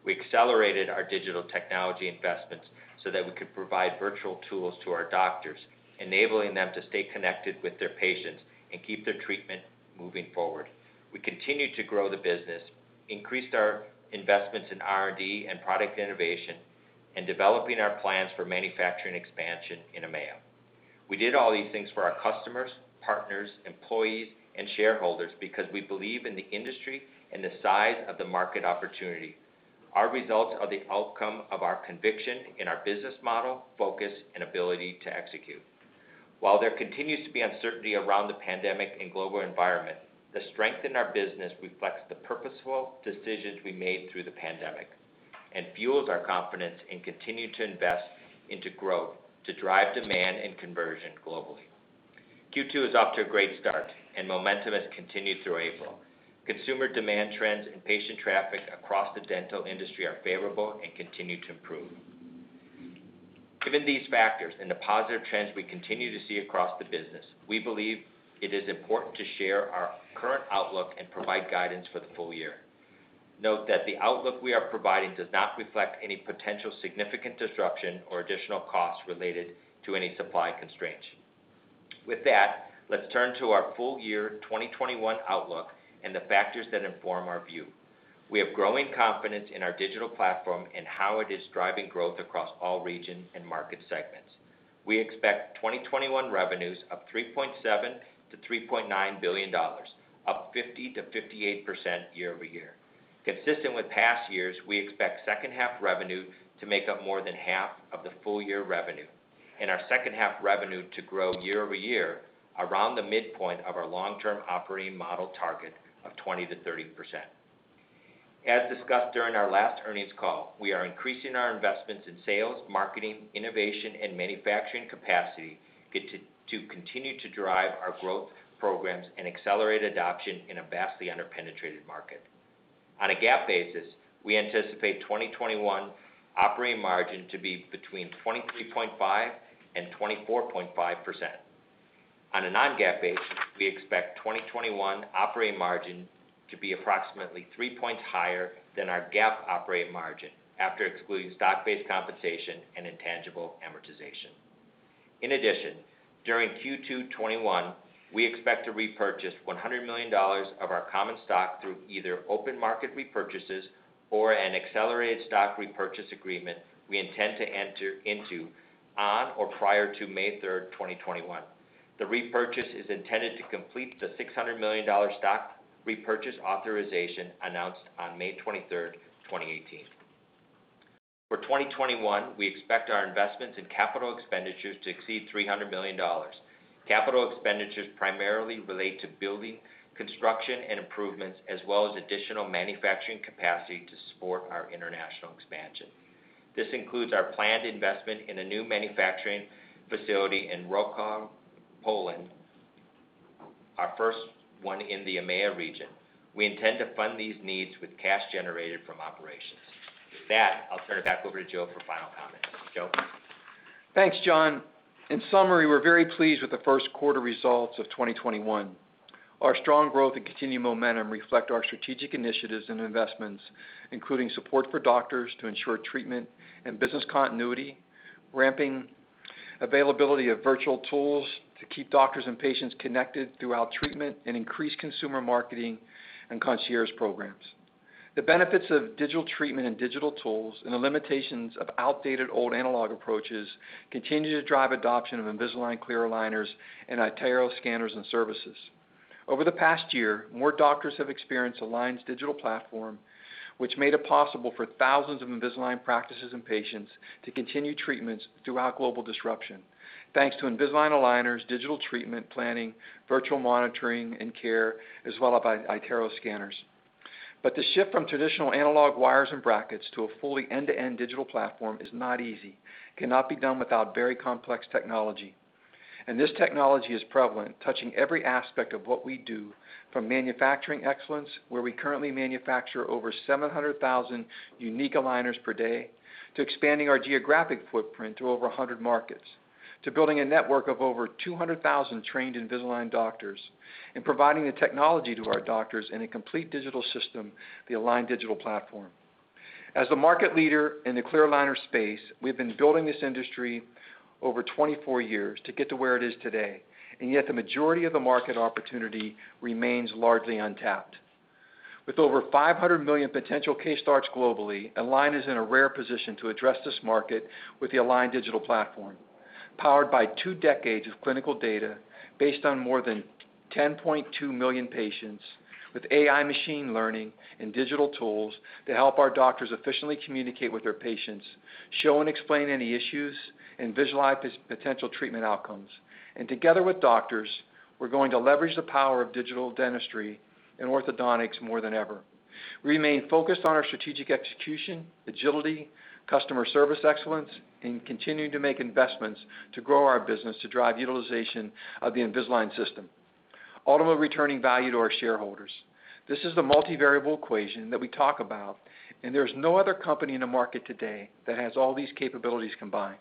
We accelerated our digital technology investments so that we could provide virtual tools to our doctors, enabling them to stay connected with their patients and keep their treatment moving forward. We continued to grow the business, increased our investments in R&D and product innovation, and developing our plans for manufacturing expansion in EMEA. We did all these things for our customers, partners, employees, and shareholders because we believe in the industry and the size of the market opportunity. Our results are the outcome of our conviction in our business model, focus, and ability to execute. While there continues to be uncertainty around the pandemic and global environment, the strength in our business reflects the purposeful decisions we made through the pandemic and fuels our confidence in continuing to invest into growth to drive demand and conversion globally. Q2 is off to a great start. Momentum has continued through April. Consumer demand trends and patient traffic across the dental industry are favorable and continue to improve. Given these factors and the positive trends we continue to see across the business, we believe it is important to share our current outlook and provide guidance for the full year. Note that the outlook we are providing does not reflect any potential significant disruption or additional costs related to any supply constraints. With that, let's turn to our full year 2021 outlook and the factors that inform our view. We have growing confidence in our Digital Platform and how it is driving growth across all regions and market segments. We expect 2021 revenues of $3.7 billion-$3.9 billion, up 50%-58% year-over-year. Consistent with past years, we expect second half revenue to make up more than half of the full year revenue, and our second half revenue to grow year-over-year around the midpoint of our long-term operating model target of 20%-30%. As discussed during our last earnings call, we are increasing our investments in sales, marketing, innovation, and manufacturing capacity to continue to drive our growth programs and accelerate adoption in a vastly under-penetrated market. On a GAAP basis, we anticipate 2021 operating margin to be between 23.5% and 24.5%. On a non-GAAP basis, we expect 2021 operating margin to be approximately three points higher than our GAAP operating margin, after excluding stock-based compensation and intangible amortization. In addition, during Q2 '21, we expect to repurchase $100 million of our common stock through either open market repurchases or an accelerated stock repurchase agreement we intend to enter into on or prior to May 3rd, 2021. The repurchase is intended to complete the $600 million stock repurchase authorization announced on May 23rd, 2018. For 2021, we expect our investments in CapEx to exceed $300 million. Capital expenditures primarily relate to building, construction, and improvements, as well as additional manufacturing capacity to support our international expansion. This includes our planned investment in a new manufacturing facility in Wrocław, Poland, our first one in the EMEA region. We intend to fund these needs with cash generated from operations. With that, I'll turn it back over to Joe for final comments. Joe? Thanks, John. In summary, we're very pleased with the first quarter results of 2021. Our strong growth and continued momentum reflect our strategic initiatives and investments, including support for doctors to ensure treatment and business continuity, ramping availability of virtual tools to keep doctors and patients connected throughout treatment, and increasing consumer marketing and concierge programs. The benefits of digital treatment and digital tools and the limitations of outdated old analog approaches continue to drive adoption of Invisalign clear aligners and iTero scanners and services. Over the past year, more doctors have experienced Align's Digital Platform, which made it possible for thousands of Invisalign practices and patients to continue treatments throughout global disruption, thanks to Invisalign aligners, digital treatment planning, virtual monitoring and care, as well as iTero scanners. The shift from traditional analog wires and brackets to a fully end-to-end digital platform is not easy. It cannot be done without very complex technology. This technology is prevalent, touching every aspect of what we do, from manufacturing excellence, where we currently manufacture over 700,000 unique aligners per day, to expanding our geographic footprint to over 100 markets, to building a network of over 200,000 trained Invisalign doctors and providing the technology to our doctors in a complete digital system, the Align Digital Platform. As the market leader in the clear aligner space, we've been building this industry over 24 years to get to where it is today, and yet the majority of the market opportunity remains largely untapped. With over 500 million potential case starts globally, Align is in a rare position to address this market with the Align Digital Platform, powered by two decades of clinical data based on more than 10.2 million patients with AI machine learning and digital tools to help our doctors efficiently communicate with their patients, show and explain any issues, and visualize potential treatment outcomes. Together with doctors, we're going to leverage the power of digital dentistry and orthodontics more than ever. Remain focused on our strategic execution, agility, customer service excellence, and continuing to make investments to grow our business to drive utilization of the Invisalign system, ultimately returning value to our shareholders. This is the multivariable equation that we talk about, and there's no other company in the market today that has all these capabilities combined.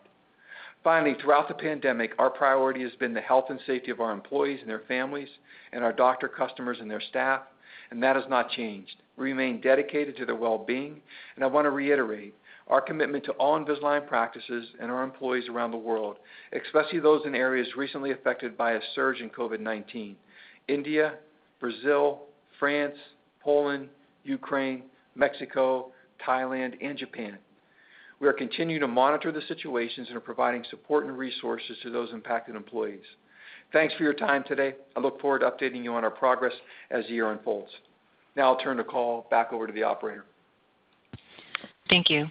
Finally, throughout the pandemic, our priority has been the health and safety of our employees and their families and our doctor customers and their staff, and that has not changed. We remain dedicated to their well-being, and I want to reiterate our commitment to all Invisalign practices and our employees around the world, especially those in areas recently affected by a surge in COVID-19: India, Brazil, France, Poland, Ukraine, Mexico, Thailand, and Japan. We are continuing to monitor the situations and are providing support and resources to those impacted employees. Thanks for your time today. I look forward to updating you on our progress as the year unfolds. Now I'll turn the call back over to the operator. Thank you.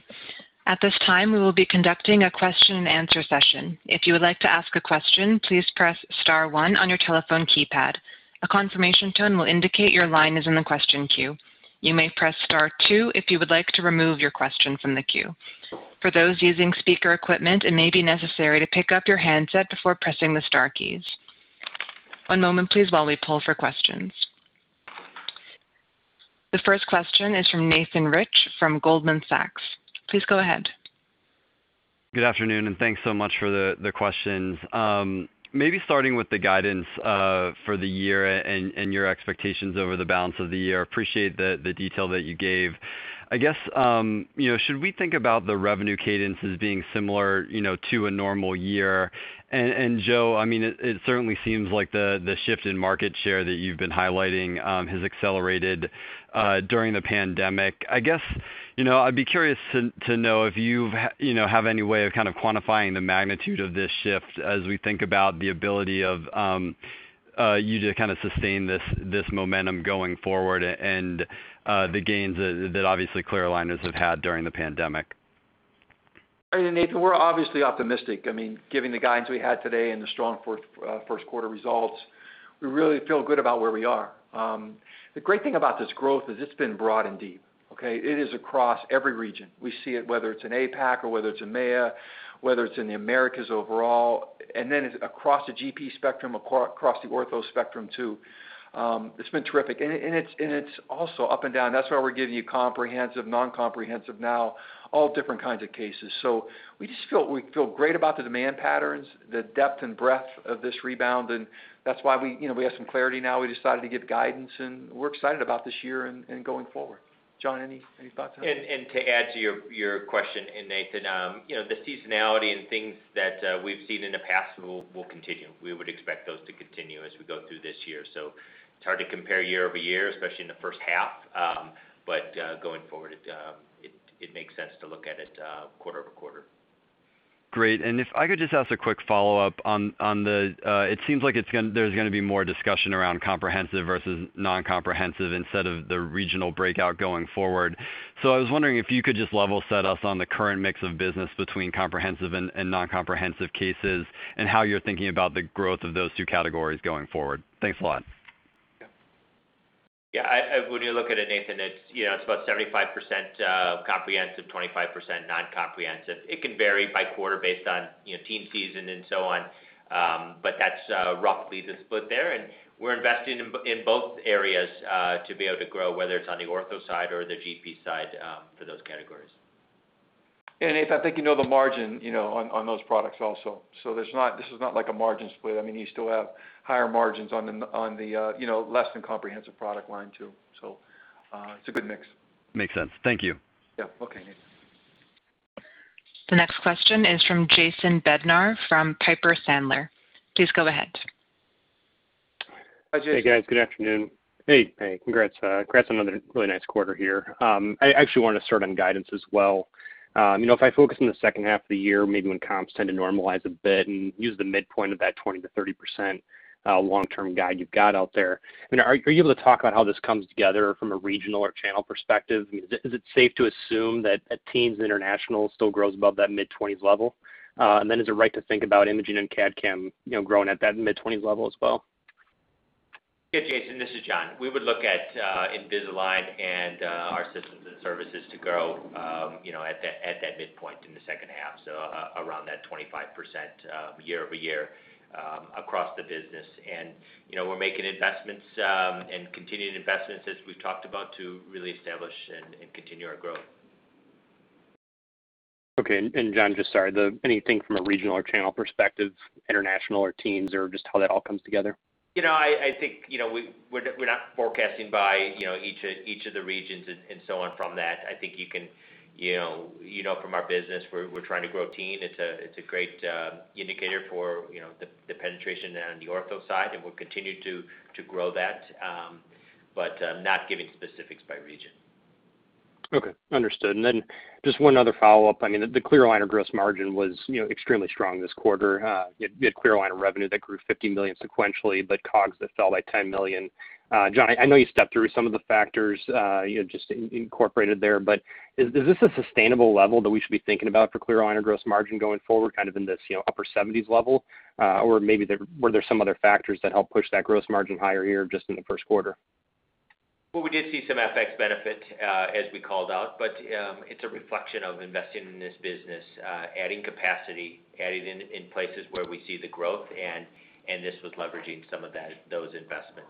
At this time, we will be conducting a question and answer session. If you would like to ask a question, please press star one on your telephone keypad; a confirmation tone will indicate your line is in the question queue. You may press star two if you would like to remove your question from the queue. For those using speaker equipment, it may be necessary to take off your handset before pressing the star key. One moment, please, while we pull for the questions. The first question is from Nathan Rich from Goldman Sachs. Please go ahead. Good afternoon, and thanks so much for the questions. Maybe starting with the guidance for the year and your expectations over the balance of the year, appreciate the detail that you gave. I guess, should we think about the revenue cadences being similar to a normal year? Joe, it certainly seems like the shift in market share that you've been highlighting has accelerated during the pandemic. I guess I'd be curious to know if you have any way of quantifying the magnitude of this shift as we think about the ability of you to sustain this momentum going forward and the gains that obviously clear aligners have had during the pandemic. Nathan, we're obviously optimistic, giving the guidance we had today and the strong first quarter results. We really feel good about where we are. The great thing about this growth is it's been broad and deep. Okay? It is across every region. We see it whether it's in APAC or whether it's EMEA, whether it's in the Americas overall, and then across the GP spectrum, across the ortho spectrum, too. It's been terrific, and it's also up and down. That's why we're giving you comprehensive, non-comprehensive now, all different kinds of cases. We just feel great about the demand patterns, the depth and breadth of this rebound, and that's why we have some clarity now. We decided to give guidance, and we're excited about this year and going forward. John, any thoughts on that? To add to your question, Nathan, the seasonality and things that we've seen in the past will continue. We would expect those to continue as we go through this year. It's hard to compare year-over-year, especially in the first half. Going forward, it makes sense to look at it quarter-over-quarter. Great. If I could just ask a quick follow-up. It seems like there's going to be more discussion around comprehensive versus non-comprehensive instead of the regional breakout going forward. I was wondering if you could just level set us on the current mix of business between comprehensive and non-comprehensive cases and how you're thinking about the growth of those two categories going forward. Thanks a lot. When you look at it, Nathan, it's about 75% comprehensive, 25% non-comprehensive. It can vary by quarter based on teen season and so on. That's roughly the split there, and we're investing in both areas to be able to grow, whether it's on the ortho side or the GP side for those categories. Nathan, I think you know the margin on those products also. This is not like a margin split. You still have higher margins on the less than comprehensive product line, too. It's a good mix. Makes sense. Thank you. Yeah. Okay, Nathan. The next question is from Jason Bednar from Piper Sandler. Please go ahead. Hi, Jason. Hey, guys. Good afternoon. Hey. Congrats on another really nice quarter here. I actually want to start on guidance as well. If I focus on the second half of the year, maybe when comps tend to normalize a bit and use the midpoint of that 20%-30% long-term guide you've got out there. Are you able to talk about how this comes together from a regional or channel perspective? Is it safe to assume that Teens International still grows above that mid-20s level? Is it right to think about imaging and CAD/CAM growing at that mid-20s level as well? Yeah, Jason, this is John. We would look at Invisalign and our systems and services to grow at that midpoint in the second half, so around that 25% year-over-year across the business. We're making investments and continuing investments, as we've talked about, to really establish and continue our growth. Okay. John, just sorry, anything from a regional or channel perspective, international or teens, or just how that all comes together? I think we're not forecasting by each of the regions and so on from that. I think you know from our business we're trying to grow teens. It's a great indicator for the penetration on the ortho side, and we'll continue to grow that. I'm not giving specifics by region. Okay. Understood. Just one other follow-up. The clear aligner gross margin was extremely strong this quarter. You had clear aligner revenue that grew $50 million sequentially, COGS that fell by $10 million. John, I know you stepped through some of the factors just incorporated there, is this a sustainable level that we should be thinking about for clear aligner gross margin going forward, kind of in this upper 70s level? Maybe were there some other factors that helped push that gross margin higher here just in the first quarter? Well, we did see some FX benefit as we called out, but it's a reflection of investing in this business, adding capacity, adding in places where we see the growth, and this was leveraging some of those investments.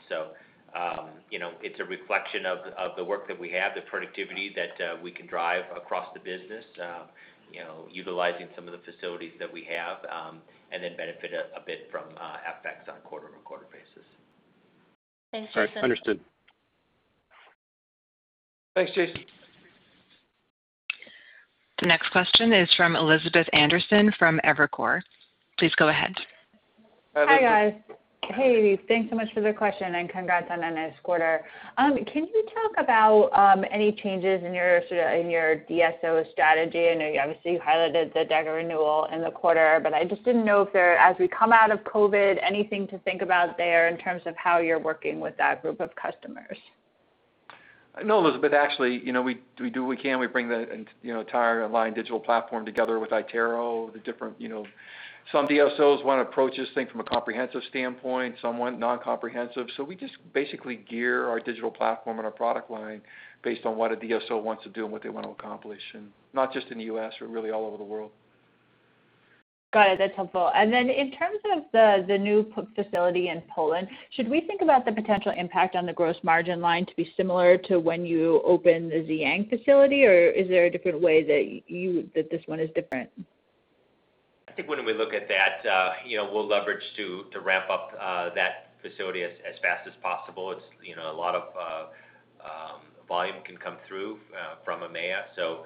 It's a reflection of the work that we have; the productivity that we can drive across the business, utilizing some of the facilities that we have; and then benefit a bit from FX on a quarter-over-quarter basis. Thanks, Jason. All right. Understood. Thanks, Jason. The next question is from Elizabeth Anderson from Evercore. Please go ahead. Hi, Elizabeth. Hi, guys. Hey, thanks so much for the question, and congrats on a nice quarter. Can you talk about any changes in your DSO strategy? I know obviously you highlighted the DECA renewal in the quarter, but I just didn't know if there, as we come out of COVID, anything to think about there in terms of how you're working with that group of customers? No, Elizabeth, actually, we do what we can. We bring the entire Align Digital Platform together with iTero. Some DSOs want to approach this thing from a comprehensive standpoint; some want non-comprehensive. We just basically gear our Align Digital Platform and our product line based on what a DSO wants to do and what they want to accomplish, and not just in the U.S. but really all over the world. Got it. That's helpful. In terms of the new facility in Poland, should we think about the potential impact on the gross margin line to be similar to when you opened the Ziyang facility, or is there a different way that this one is different? I think when we look at that, we'll leverage to ramp up that facility as fast as possible. A lot of volume can come through from EMEA, so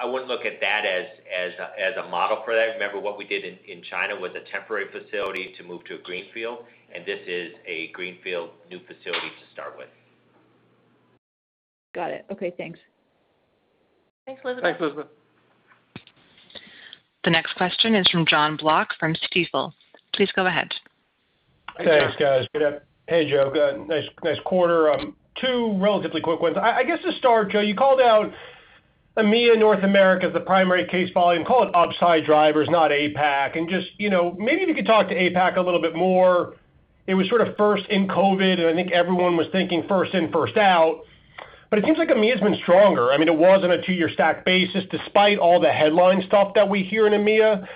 I wouldn't look at that as a model for that. Remember, what we did in China was a temporary facility to move to a greenfield, and this is a greenfield new facility to start with. Got it. Okay, thanks. Thanks, Elizabeth. Thanks, Elizabeth. The next question is from Jon Block from Stifel. Please go ahead. Thanks, guys. Good day. Hey, Joe. Good. Nice quarter. Two relatively quick ones. I guess to start, Joe, you called out EMEA and North America as the primary case volume; call it upside drivers, not APAC. Just maybe if you could talk to APAC a little bit more. It was sort of first in COVID; I think everyone was thinking first in, first out. It seems like EMEA's been stronger. It was on a two-year stack basis, despite all the headline stuff that we hear in EMEA.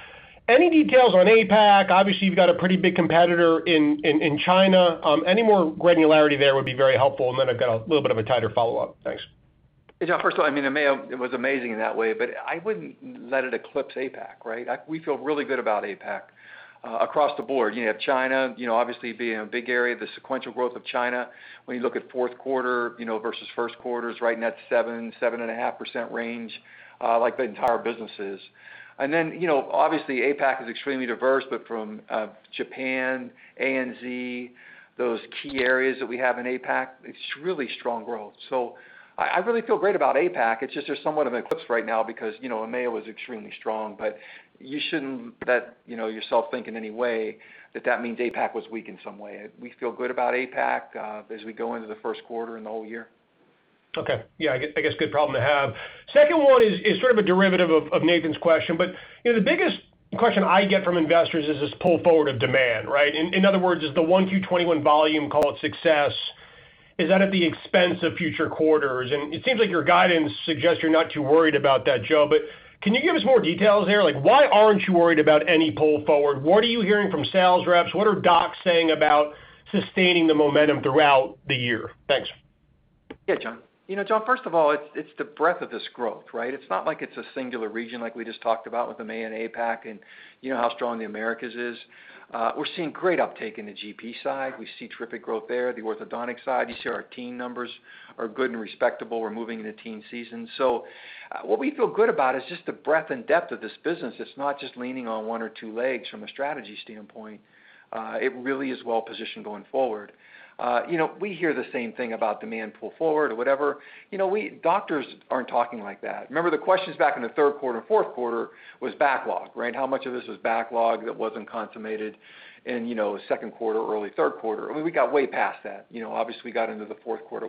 Any details on APAC? Obviously, you've got a pretty big competitor in China. Any more granularity there would be very helpful. Then I've got a little bit of a tighter follow-up. Thanks. Hey, Jon. First of all, EMEA, it was amazing in that way, but I wouldn't let it eclipse APAC. We feel really good about APAC, across the board. You have China, obviously being a big area, the sequential growth of China, when you look at fourth quarter, versus first quarter is right in that 7%-7.5% range, like the entire business is. Obviously APAC is extremely diverse, but from Japan, ANZ, those key areas that we have in APAC, it's really strong growth. I really feel great about APAC. It's just that they're somewhat of an eclipse right now because EMEA was extremely strong, but you shouldn't let yourself think in any way that that means APAC was weak in some way. We feel good about APAC, as we go into the first quarter and the whole year. Okay. Yeah, I guess good problem to have. Second one is sort of a derivative of Nathan's question, but the biggest question I get from investors is this pull forward of demand, right? In other words, is the 1Q21 volume, call it success, is that at the expense of future quarters? It seems like your guidance suggests you're not too worried about that, Joe, but can you give us more details there? Why aren't you worried about any pull forward? What are you hearing from sales reps? What do docs saying about sustaining the momentum throughout the year? Thanks. Yeah, John. John, first of all, it's the breadth of this growth, right? It's not like it's a singular region like we just talked about with EMEA and APAC, and you know how strong the Americas is. We're seeing great uptake in the GP side. We see terrific growth there. The orthodontic side, you see, our teen numbers are good and respectable. We're moving into teen season. What we feel good about is just the breadth and depth of this business. It's not just leaning on one or two legs from a strategy standpoint. It really is well-positioned going forward. We hear the same thing about demand pull-forward or whatever. Doctors aren't talking like that. Remember, the questions back in the third quarter, fourth quarter was backlog, right? How much of this was backlog that wasn't consummated in second quarter, early third quarter? We got way past that. Obviously got into the fourth quarter.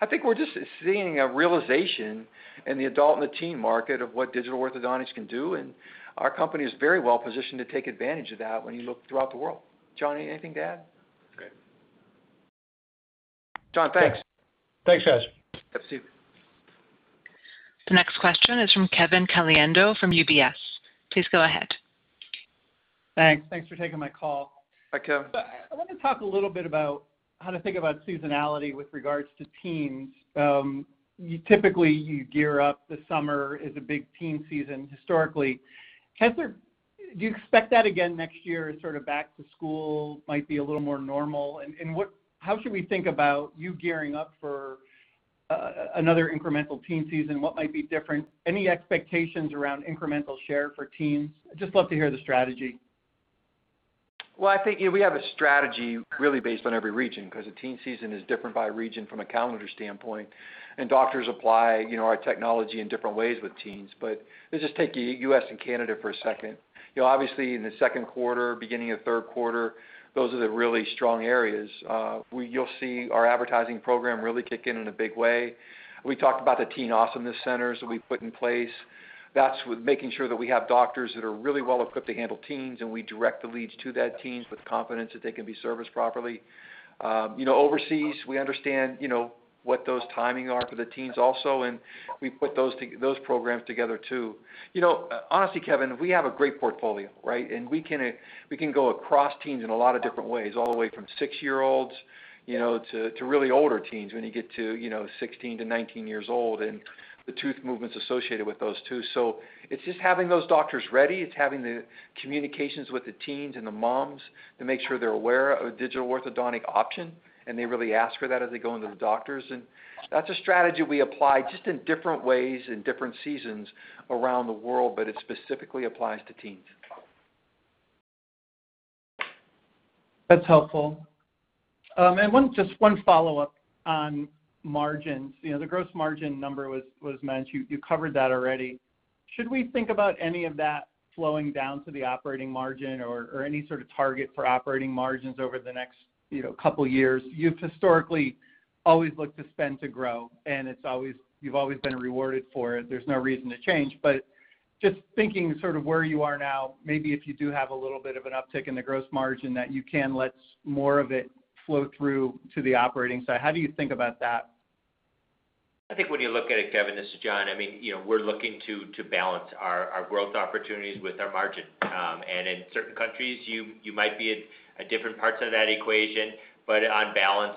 I think we're just seeing a realization in the adult and the teen markets of what digital orthodontics can do, and our company is very well positioned to take advantage of that when you look throughout the world. John, anything to add? No. Jon, thanks. Thanks, guys. Have a seat. The next question is from Kevin Caliendo from UBS. Please go ahead. Thanks. Thanks for taking my call. Hi, Kevin. I wanted to talk a little bit about how to think about seasonality with regards to teens. Typically, you gear up; the summer is a big teen season historically. Do you expect that again next year, as sort of back to school might be a little more normal? How should we think about you gearing up for another incremental teen season? What might be different? Any expectations around incremental share for teens? I'd just love to hear the strategy. I think we have a strategy really based on every region, because the teen season is different by region from a calendar standpoint, and doctors apply our technology in different ways with teens. Let's just take the U.S. and Canada for a second. Obviously, in the second quarter, beginning of third quarter, those are the really strong areas. You'll see our advertising program really kick in a big way. We talked about the Teen Awesomeness Centers that we've put in place. That's with making sure that we have doctors that are really well-equipped to handle teens, and we direct the leads to that teens with confidence that they can be serviced properly. Overseas, we understand what those timings are for the teens also, and we put those programs together, too. Honestly, Kevin, we have a great portfolio, right? We can go across teens in a lot of different ways, all the way from 6-year-olds to really older teens when you get to 16 to 19 years old, and the tooth movements associated with those, too. It's just having those doctors ready. It's having the communications with the teens and the moms to make sure they're aware of a digital orthodontic option, and they really ask for that as they go into the doctors. That's a strategy we apply just in different ways, in different seasons around the world, but it specifically applies to teens. That's helpful. Just one follow-up on margins. The gross margin number was mentioned. You covered that already. Should we think about any of that flowing down to the operating margin or any sort of target for operating margins over the next couple of years? You've historically always looked to spend to grow, and you've always been rewarded for it. There's no reason to change. Just thinking sort of where you are now, maybe if you do have a little bit of an uptick in the gross margin, that you can let more of it flow through to the operating side. How do you think about that? I think when you look at it, Kevin, this is John; we're looking to balance our growth opportunities with our margin. In certain countries, you might be at different parts of that equation, but on balance,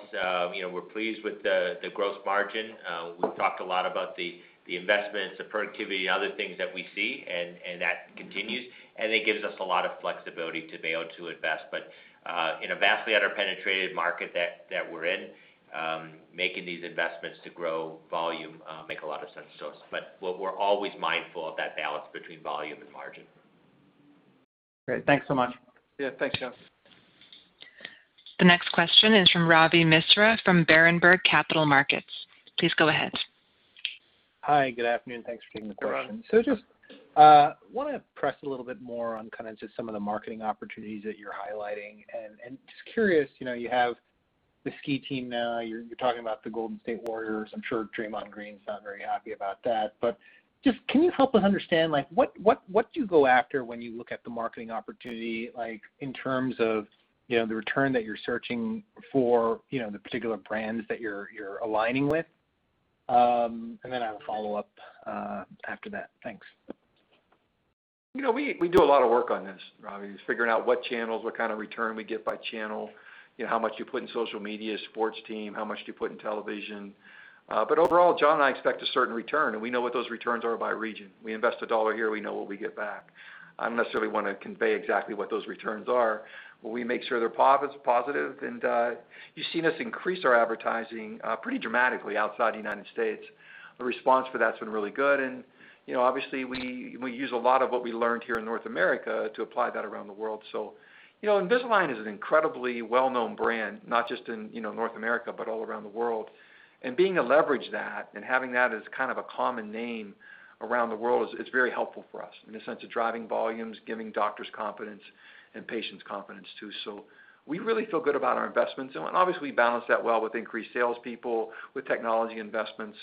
we're pleased with the growth margin. We've talked a lot about the investments, the productivity, and other things that we see, and that continues. It gives us a lot of flexibility to be able to invest. In a vastly under-penetrated market that we're in, making these investments to grow volume make a lot of sense to us. We're always mindful of that balance between volume and margin. Great. Thanks so much. Yeah. Thanks, Kevin. The next question is from Ravi Misra from Berenberg Capital Markets. Please go ahead. Hi, good afternoon. Thanks for taking the question. No problem. Just want to press a little bit more on kind of just some of the marketing opportunities that you're highlighting. Just curious, you have the ski team now; you're talking about the Golden State Warriors. I'm sure Draymond Green's not very happy about that. Just can you help us understand what do you go after when you look at the marketing opportunity in terms of the return that you're searching for, the particular brands that you're aligning with? I have a follow-up after that. Thanks. We do a lot of work on this, Ravi. Figuring out what channels, what kind of return we get by channel, how much do you put in social media, sports teams, and how much do you put in television? Overall, John and I expect a certain return. We know what those returns are by region. We invest $1 here; we know what we get back. I don't necessarily want to convey exactly what those returns are. We make sure they're positive. You've seen us increase our advertising pretty dramatically outside the U.S. The response for that's been really good. Obviously, we use a lot of what we learned here in North America to apply that around the world. Invisalign is an incredibly well-known brand, not just in North America but all around the world. Being able to leverage that and having that as kind of a common name around the world is very helpful for us in the sense of driving volumes, giving doctors confidence and patients confidence, too. We really feel good about our investments, and obviously, we balance that well with increased salespeople, with technology investments,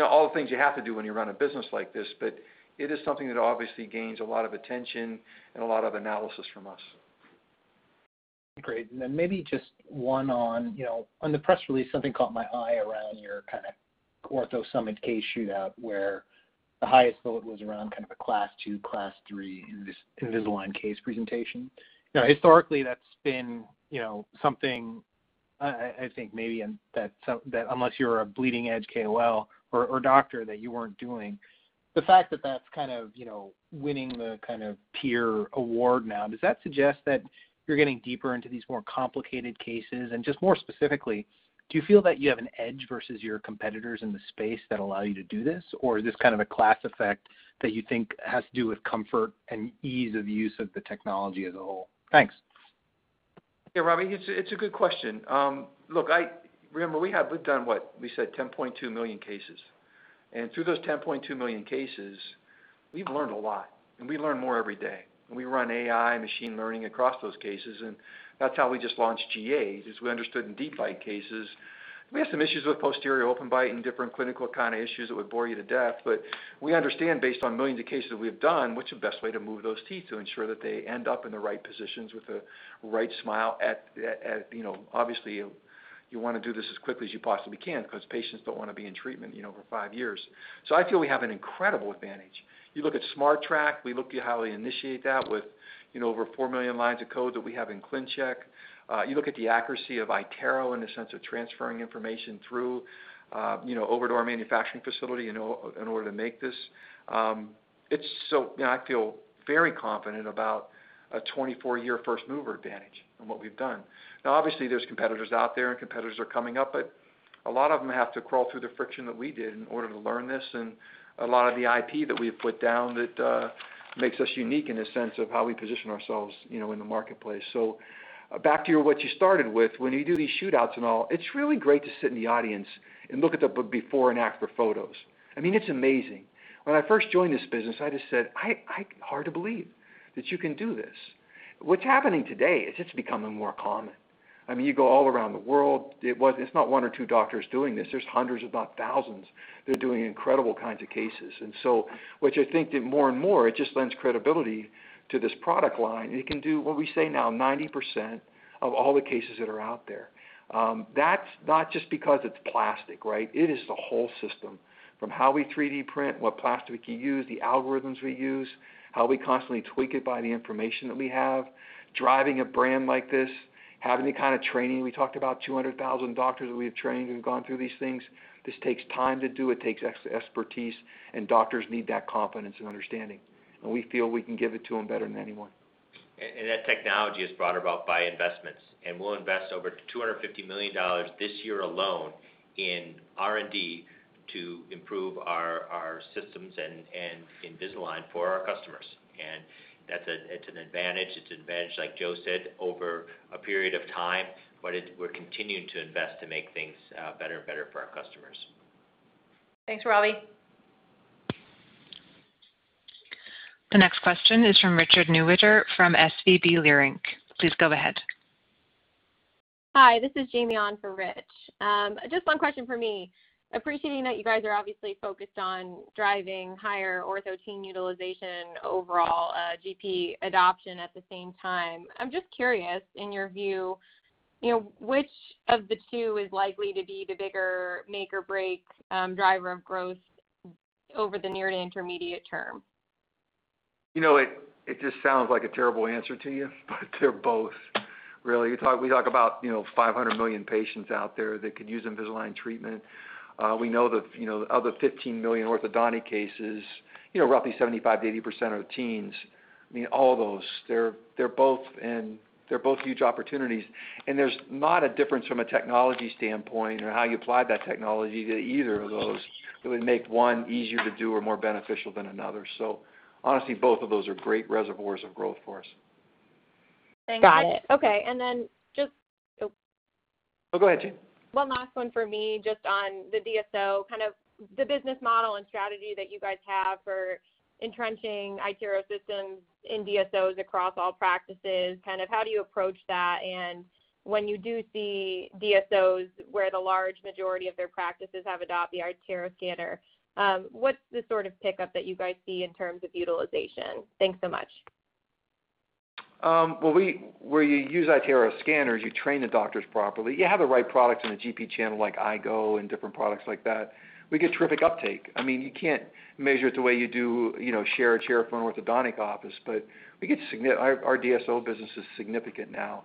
all the things you have to do when you run a business like this. It is something that obviously gains a lot of attention and a lot of analysis from us. Great. Then maybe just one on the press release; something caught my eye around your kind of ortho summit case shootout where the highest vote was around kind of a class II, class III Invisalign case presentation. Now, historically, that's been something I think maybe that unless you're a bleeding edge KOL or doctor, that you weren't doing. The fact that that's kind of winning the kind of peer award now, does that suggest that you're getting deeper into these more complicated cases? Just more specifically, do you feel that you have an edge versus your competitors in the space that allows you to do this? Or is this kind of a class effect that you think has to do with comfort and ease of use of the technology as a whole? Thanks. Yeah, Ravi, it's a good question. Look, remember, we've done what? We said 10.2 million cases. Through those 10.2 million cases, we've learned a lot, and we learn more every day. We run AI, machine learning across those cases, and that's how we just launched G8, is we understood in deep bite cases. We have some issues with posterior open bite and different clinical kinds of issues that would bore you to death, but we understand, based on millions of cases we have done, what's the best way to move those teeth to ensure that they end up in the right positions with the right smile. Obviously, you want to do this as quickly as you possibly can because patients don't want to be in treatment for five years. I feel we have an incredible advantage. You look at SmartTrack; we look at how we initiate that with over 4 million lines of code that we have in ClinCheck. You look at the accuracy of iTero in the sense of transferring information through over to our manufacturing facility in order to make this. I feel very confident about a 24-year first-mover advantage on what we've done. Obviously, there's competitors out there, and competitors are coming up, but a lot of them have to crawl through the friction that we did in order to learn this, and a lot of the IP that we have put down that makes us unique in the sense of how we position ourselves in the marketplace. Back to what you started with, when you do these shootouts and all, it's really great to sit in the audience and look at the before-and-after photos. It's amazing. When I first joined this business, I just said, "Hard to believe that you can do this." What's happening today is it's becoming more common. You go all around the world. It's not one or two doctors doing this. There's hundreds, if not thousands, that are doing incredible kinds of cases. Which I think that more and more, it just lends credibility to this product line. It can do what we say now, 90% of all the cases that are out there. That's not just because it's plastic, right. It is the whole system, from how we 3D print, what plastic we use, the algorithms we use, how we constantly tweak it by the information that we have, driving a brand like this, and having the kind of training. We talked about 200,000 doctors that we have trained who have gone through these things. This takes time to do. It takes expertise, and doctors need that confidence and understanding, and we feel we can give it to them better than anyone. That technology is brought about by investments. We'll invest over $250 million this year alone in R&D to improve our systems and Invisalign for our customers. It's an advantage, like Joe said, over a period of time, but we're continuing to invest to make things better and better for our customers. Thanks, Ravi. The next question is from Richard Newitter from SVB Leerink. Please go ahead. Hi, this is Jaime on for Richard. Just one question from me. Appreciating that you guys are obviously focused on driving higher ortho teen utilization, overall GP adoption at the same time. I'm just curious, in your view, which of the two is likely to be the bigger make-or-break driver of growth over the near to intermediate term? It just sounds like a terrible answer to you, but they're both really. We talk about 500 million patients out there that could use Invisalign treatment. We know that of the 15 million orthodontic cases, roughly 75%-80% are teens. I mean, all those. There's not a difference from a technology standpoint or how you apply that technology to either of those that would make one easier to do or more beneficial than another. Honestly, both of those are great reservoirs of growth for us. Thanks. Got it. Okay, then just oh. Go ahead, Jaime. One last one for me, just on the DSO, kind of the business model and strategy that you guys have for entrenching iTero systems in DSOs across all practices. How do you approach that? When you do see DSOs where the large majority of their practices have adopted the iTero scanner, what's the sort of pickup that you guys see in terms of utilization? Thanks so much. Where you use iTero scanners, you train the doctors properly. You have the right products in the GP channel like iGo and different products like that. We get terrific uptake. You can't measure it the way you do a share of chairs for an orthodontic office; our DSO business is significant now.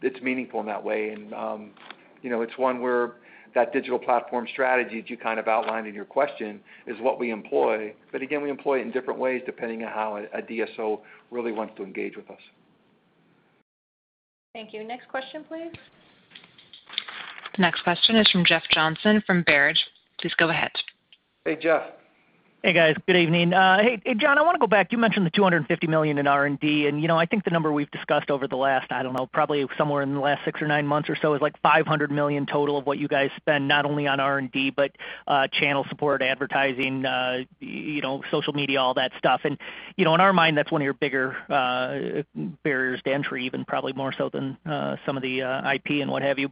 It's meaningful in that way; it's one where that digital platform strategy that you outlined in your question is what we employ. Again, we employ it in different ways depending on how a DSO really wants to engage with us. Thank you. Next question, please. The next question is from Jeff Johnson from Baird. Please go ahead. Hey, Jeff. Hey, guys. Good evening. Hey, John, I want to go back. You mentioned the $250 million in R&D, and I think the number we've discussed over the last, I don't know, probably somewhere in the last six or nine months or so is like $500 million total of what you guys spend, not only on R&D, but channel support, advertising, social media, all that stuff. In our mind, that's one of your bigger barriers to entry, even probably more so than some of the IP and what have you.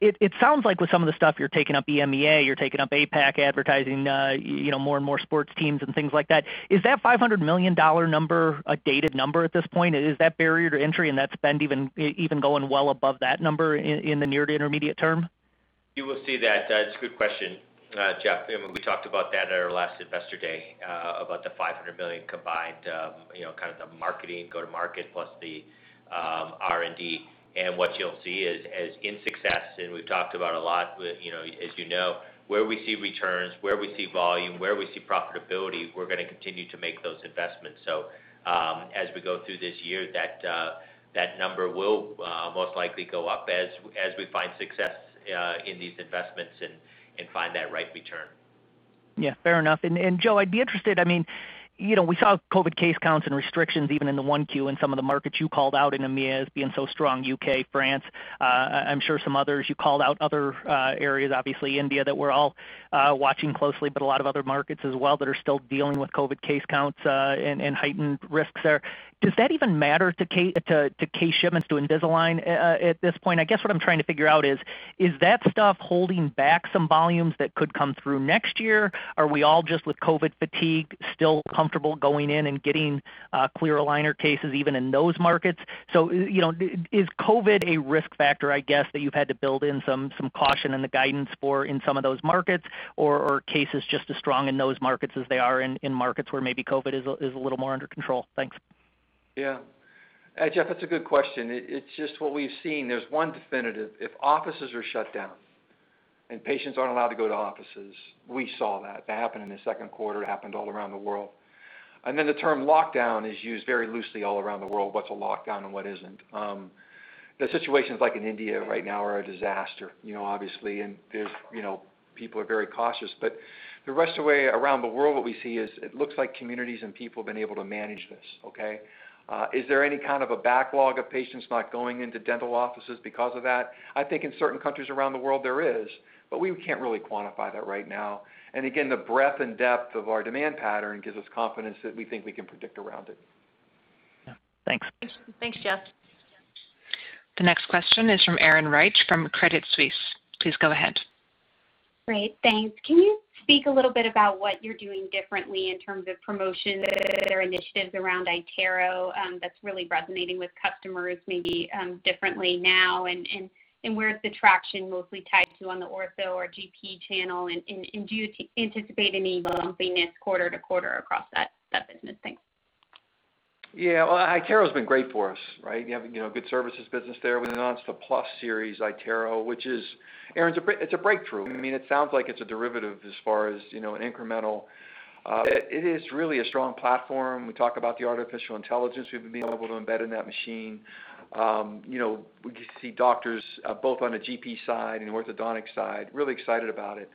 It sounds like with some of the stuff, you're taking up EMEA, you're taking up APAC advertising, more and more sports teams, and things like that. Is that $500 million number a dated number at this point? Is that barrier to entry and that spend even going well above that number in the near to intermediate term? You will see that. That's a good question, Jeff. I mean, we talked about that at our last Investor Day, about the $500 million combined, kind of the marketing, go-to-market, plus the R&D. What you'll see is as in success, and we've talked about a lot, as you know, where we see returns, where we see volume, where we see profitability, we're going to continue to make those investments. As we go through this year, that number will most likely go up as we find success in these investments and find that right return. Yeah. Fair enough. And Joe, I'd be interested, I mean, we saw COVID case counts and restrictions even in the 1Q in some of the markets you called out in EMEA as being so strong, U.K., France, I'm sure some others. You called out other areas, obviously India, that we're all watching closely, but a lot of other markets as well that are still dealing with COVID case counts and heightened risks there. Does that even matter to case shipments to Invisalign at this point? I guess what I'm trying to figure out is that stuff holding back some volumes that could come through next year? Are we all just with COVID fatigue, still comfortable going in and getting clear aligner cases even in those markets? Is COVID a risk factor, I guess, that you've had to build in some caution in the guidance for in some of those markets? Are cases just as strong in those markets as they are in markets where maybe COVID is a little more under control? Thanks. Yeah. Jeff, that's a good question. It's just what we've seen. There's one definitive. If offices are shut down and patients aren't allowed to go to offices, we saw that. That happened in the second quarter. It happened all around the world. The term lockdown is used very loosely all around the world, what's a lockdown and what isn't. The situations like in India right now are a disaster, obviously, and people are very cautious. The rest of the way around the world, what we see is it looks like communities and people have been able to manage this, okay? Is there any kind of a backlog of patients not going into dental offices because of that? I think in certain countries around the world there is, but we can't really quantify that right now. Again, the breadth and depth of our demand pattern gives us confidence that we think we can predict around it. Yeah. Thanks. Thanks, Jeff. The next question is from Erin Wright from Credit Suisse. Please go ahead. Great. Thanks. Can you speak a little bit about what you're doing differently in terms of promotions or initiatives around iTero that's really resonating with customers, maybe differently now? Where is the traction mostly tied to on the ortho or GP channel? Do you anticipate any bumpiness quarter-to-quarter across that business? Thanks. Well, iTero's been great for us, right? You have a good services business there. We announced the Plus series iTero, which is, it's a breakthrough. I mean, it sounds like it's a derivative as far as an incremental. It is really a strong platform. We talk about the artificial intelligence we've been able to embed in that machine. We see doctors, both on the GP side and orthodontic side, really excited about it.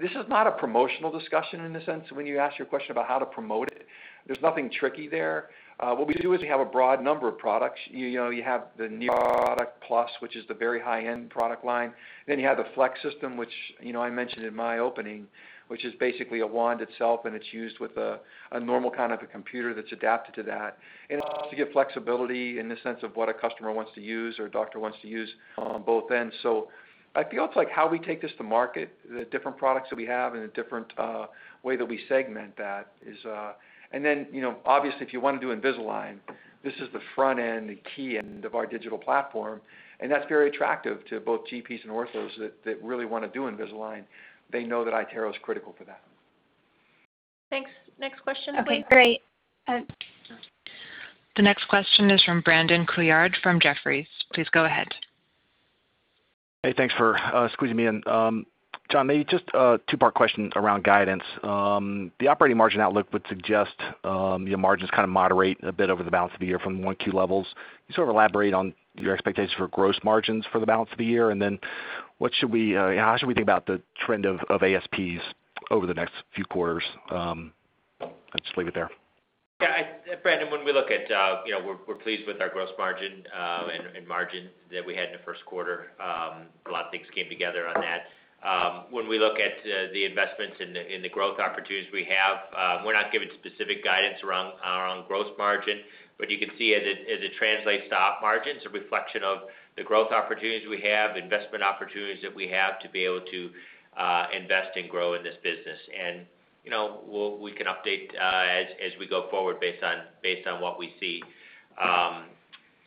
This is not a promotional discussion in the sense when you asked your question about how to promote it. There's nothing tricky there. What we do is we have a broad number of products. You have the new iTero Plus, which is the very high-end product line. You have the Flex system, which I mentioned in my opening, which is basically a wand itself, and it's used with a normal kind of a computer that's adapted to that. It allows to give flexibility in the sense of what a customer wants to use or a doctor wants to use on both ends. So I feel like how we take this to market, the different products that we have in a different way that we segment that is and then, obviously, if you want to do Invisalign, this is the front end, the key end of our digital platform, and that's very attractive to both GPs and orthos that really want to do Invisalign. They know that iTero is critical for that. Thanks. Next question, please. Okay, great. The next question is from Brandon Couillard from Jefferies. Please go ahead. Hey, thanks for squeezing me in. John Morici, maybe just a two-part question around guidance. The operating margin outlook would suggest your margins kind of moderate a bit over the balance of the year from the 1Q levels. Can you sort of elaborate on your expectations for gross margins for the balance of the year? How should we think about the trend of ASPs over the next few quarters? I'll just leave it there. Yeah, Brandon, we're pleased with our gross margin and margin that we had in the first quarter. A lot of things came together on that. When we look at the investments and the growth opportunities we have, we're not giving specific guidance around gross margin, but you can see as it translates to op margins, a reflection of the growth opportunities we have, investment opportunities that we have to be able to invest and grow in this business. We can update as we go forward based on what we see.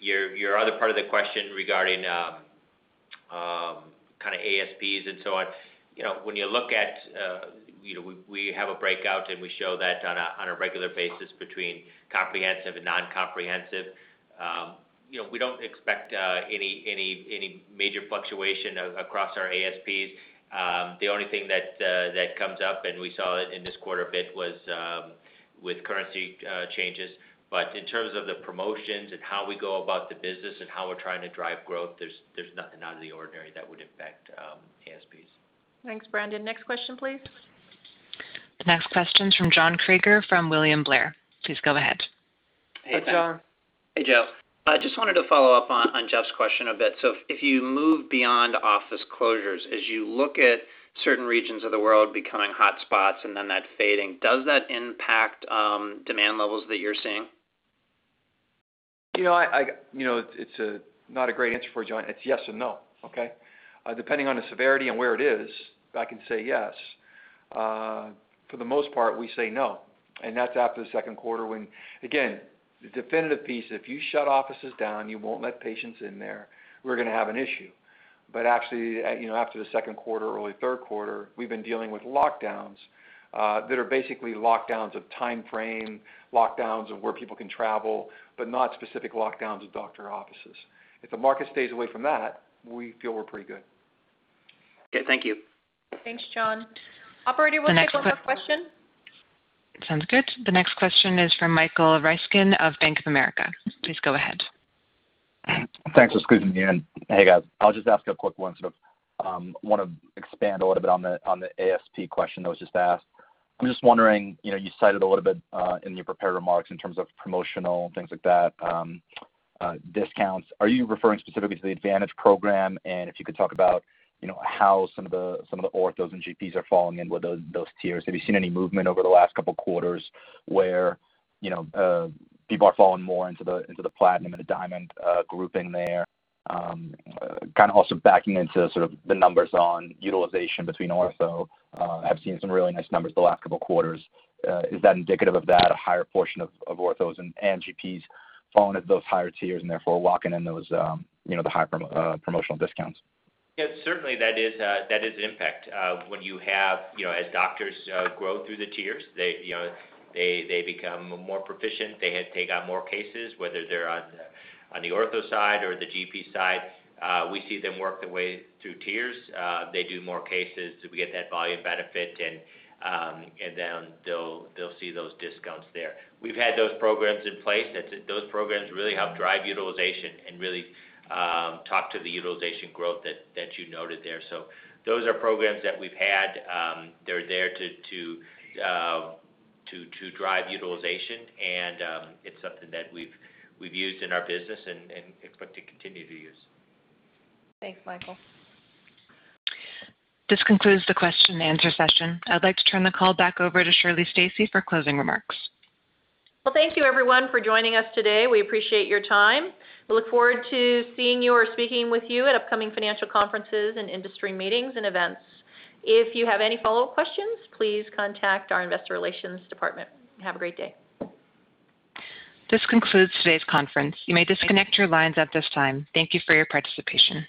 Your other part of the question regarding kind of ASPs and so on. When you look at, we have a breakout, and we show that on a regular basis between comprehensive and non-comprehensive. We don't expect any major fluctuation across our ASPs. The only thing that comes up, and we saw it in this quarter a bit, was with currency changes. In terms of the promotions and how we go about the business and how we're trying to drive growth, there's nothing out of the ordinary that would affect ASPs. Thanks, Brandon. Next question, please. The next question is from John Kreger from William Blair. Please go ahead. Hey, John. Hey, Joe. I just wanted to follow up on Jeff's question a bit. If you move beyond office closures, as you look at certain regions of the world becoming hotspots and then that fading, does that impact demand levels that you're seeing? It's not a great answer for John. It's yes and no, okay? Depending on the severity and where it is, I can say yes. For the most part, we say no, and that's after the second quarter when, again, the definitive piece, if you shut offices down, you won't let patients in there; we're going to have an issue. Actually, after the second quarter, early third quarter, we've been dealing with lockdowns that are basically lockdowns of time frame, lockdowns of where people can travel, but not specific lockdowns of doctor offices. If the market stays away from that, we feel we're pretty good. Okay, thank you. Thanks, John. Operator, we'll take one more question. Sounds good. The next question is from Michael Ryskin of Bank of America. Please go ahead. Thanks for squeezing me in. Hey, guys. I'll just ask a quick one sort of want to expand a little bit on the ASP question that was just asked. I'm just wondering, you cited a little bit in your prepared remarks in terms of promotional things, like that, discounts. Are you referring specifically to the Advantage Program? If you could talk about how some of the orthos and GPs are falling in with those tiers. Have you seen any movement over the last couple of quarters where people are falling more into the platinum and the diamond grouping there? Kind of also backing into sort of the numbers on utilization between ortho. I've seen some really nice numbers the last couple of quarters. Is that indicative of that, a higher portion of orthos and GPs falling at those higher tiers and therefore locking in the high promotional discounts? Yes, certainly that is an impact of when you have as doctors grow through the tiers; they become more proficient. They take on more cases, whether they're on the ortho side or the GP side. We see them work their way through tiers. They do more cases, so we get that volume benefit, and then they'll see those discounts there. We've had those programs in place. Those programs really help drive utilization and really talk to the utilization growth that you noted there. Those are programs that we've had. They're there to drive utilization, and it's something that we've used in our business and expect to continue to use. Thanks, Michael. This concludes the question and answer session. I'd like to turn the call back over to Shirley Stacy for closing remarks. Well, thank you, everyone, for joining us today. We appreciate your time. We look forward to seeing you or speaking with you at upcoming financial conferences and industry meetings and events. If you have any follow-up questions, please contact our investor relations department. Have a great day. This concludes today's conference. You may disconnect your lines at this time. Thank you for your participation.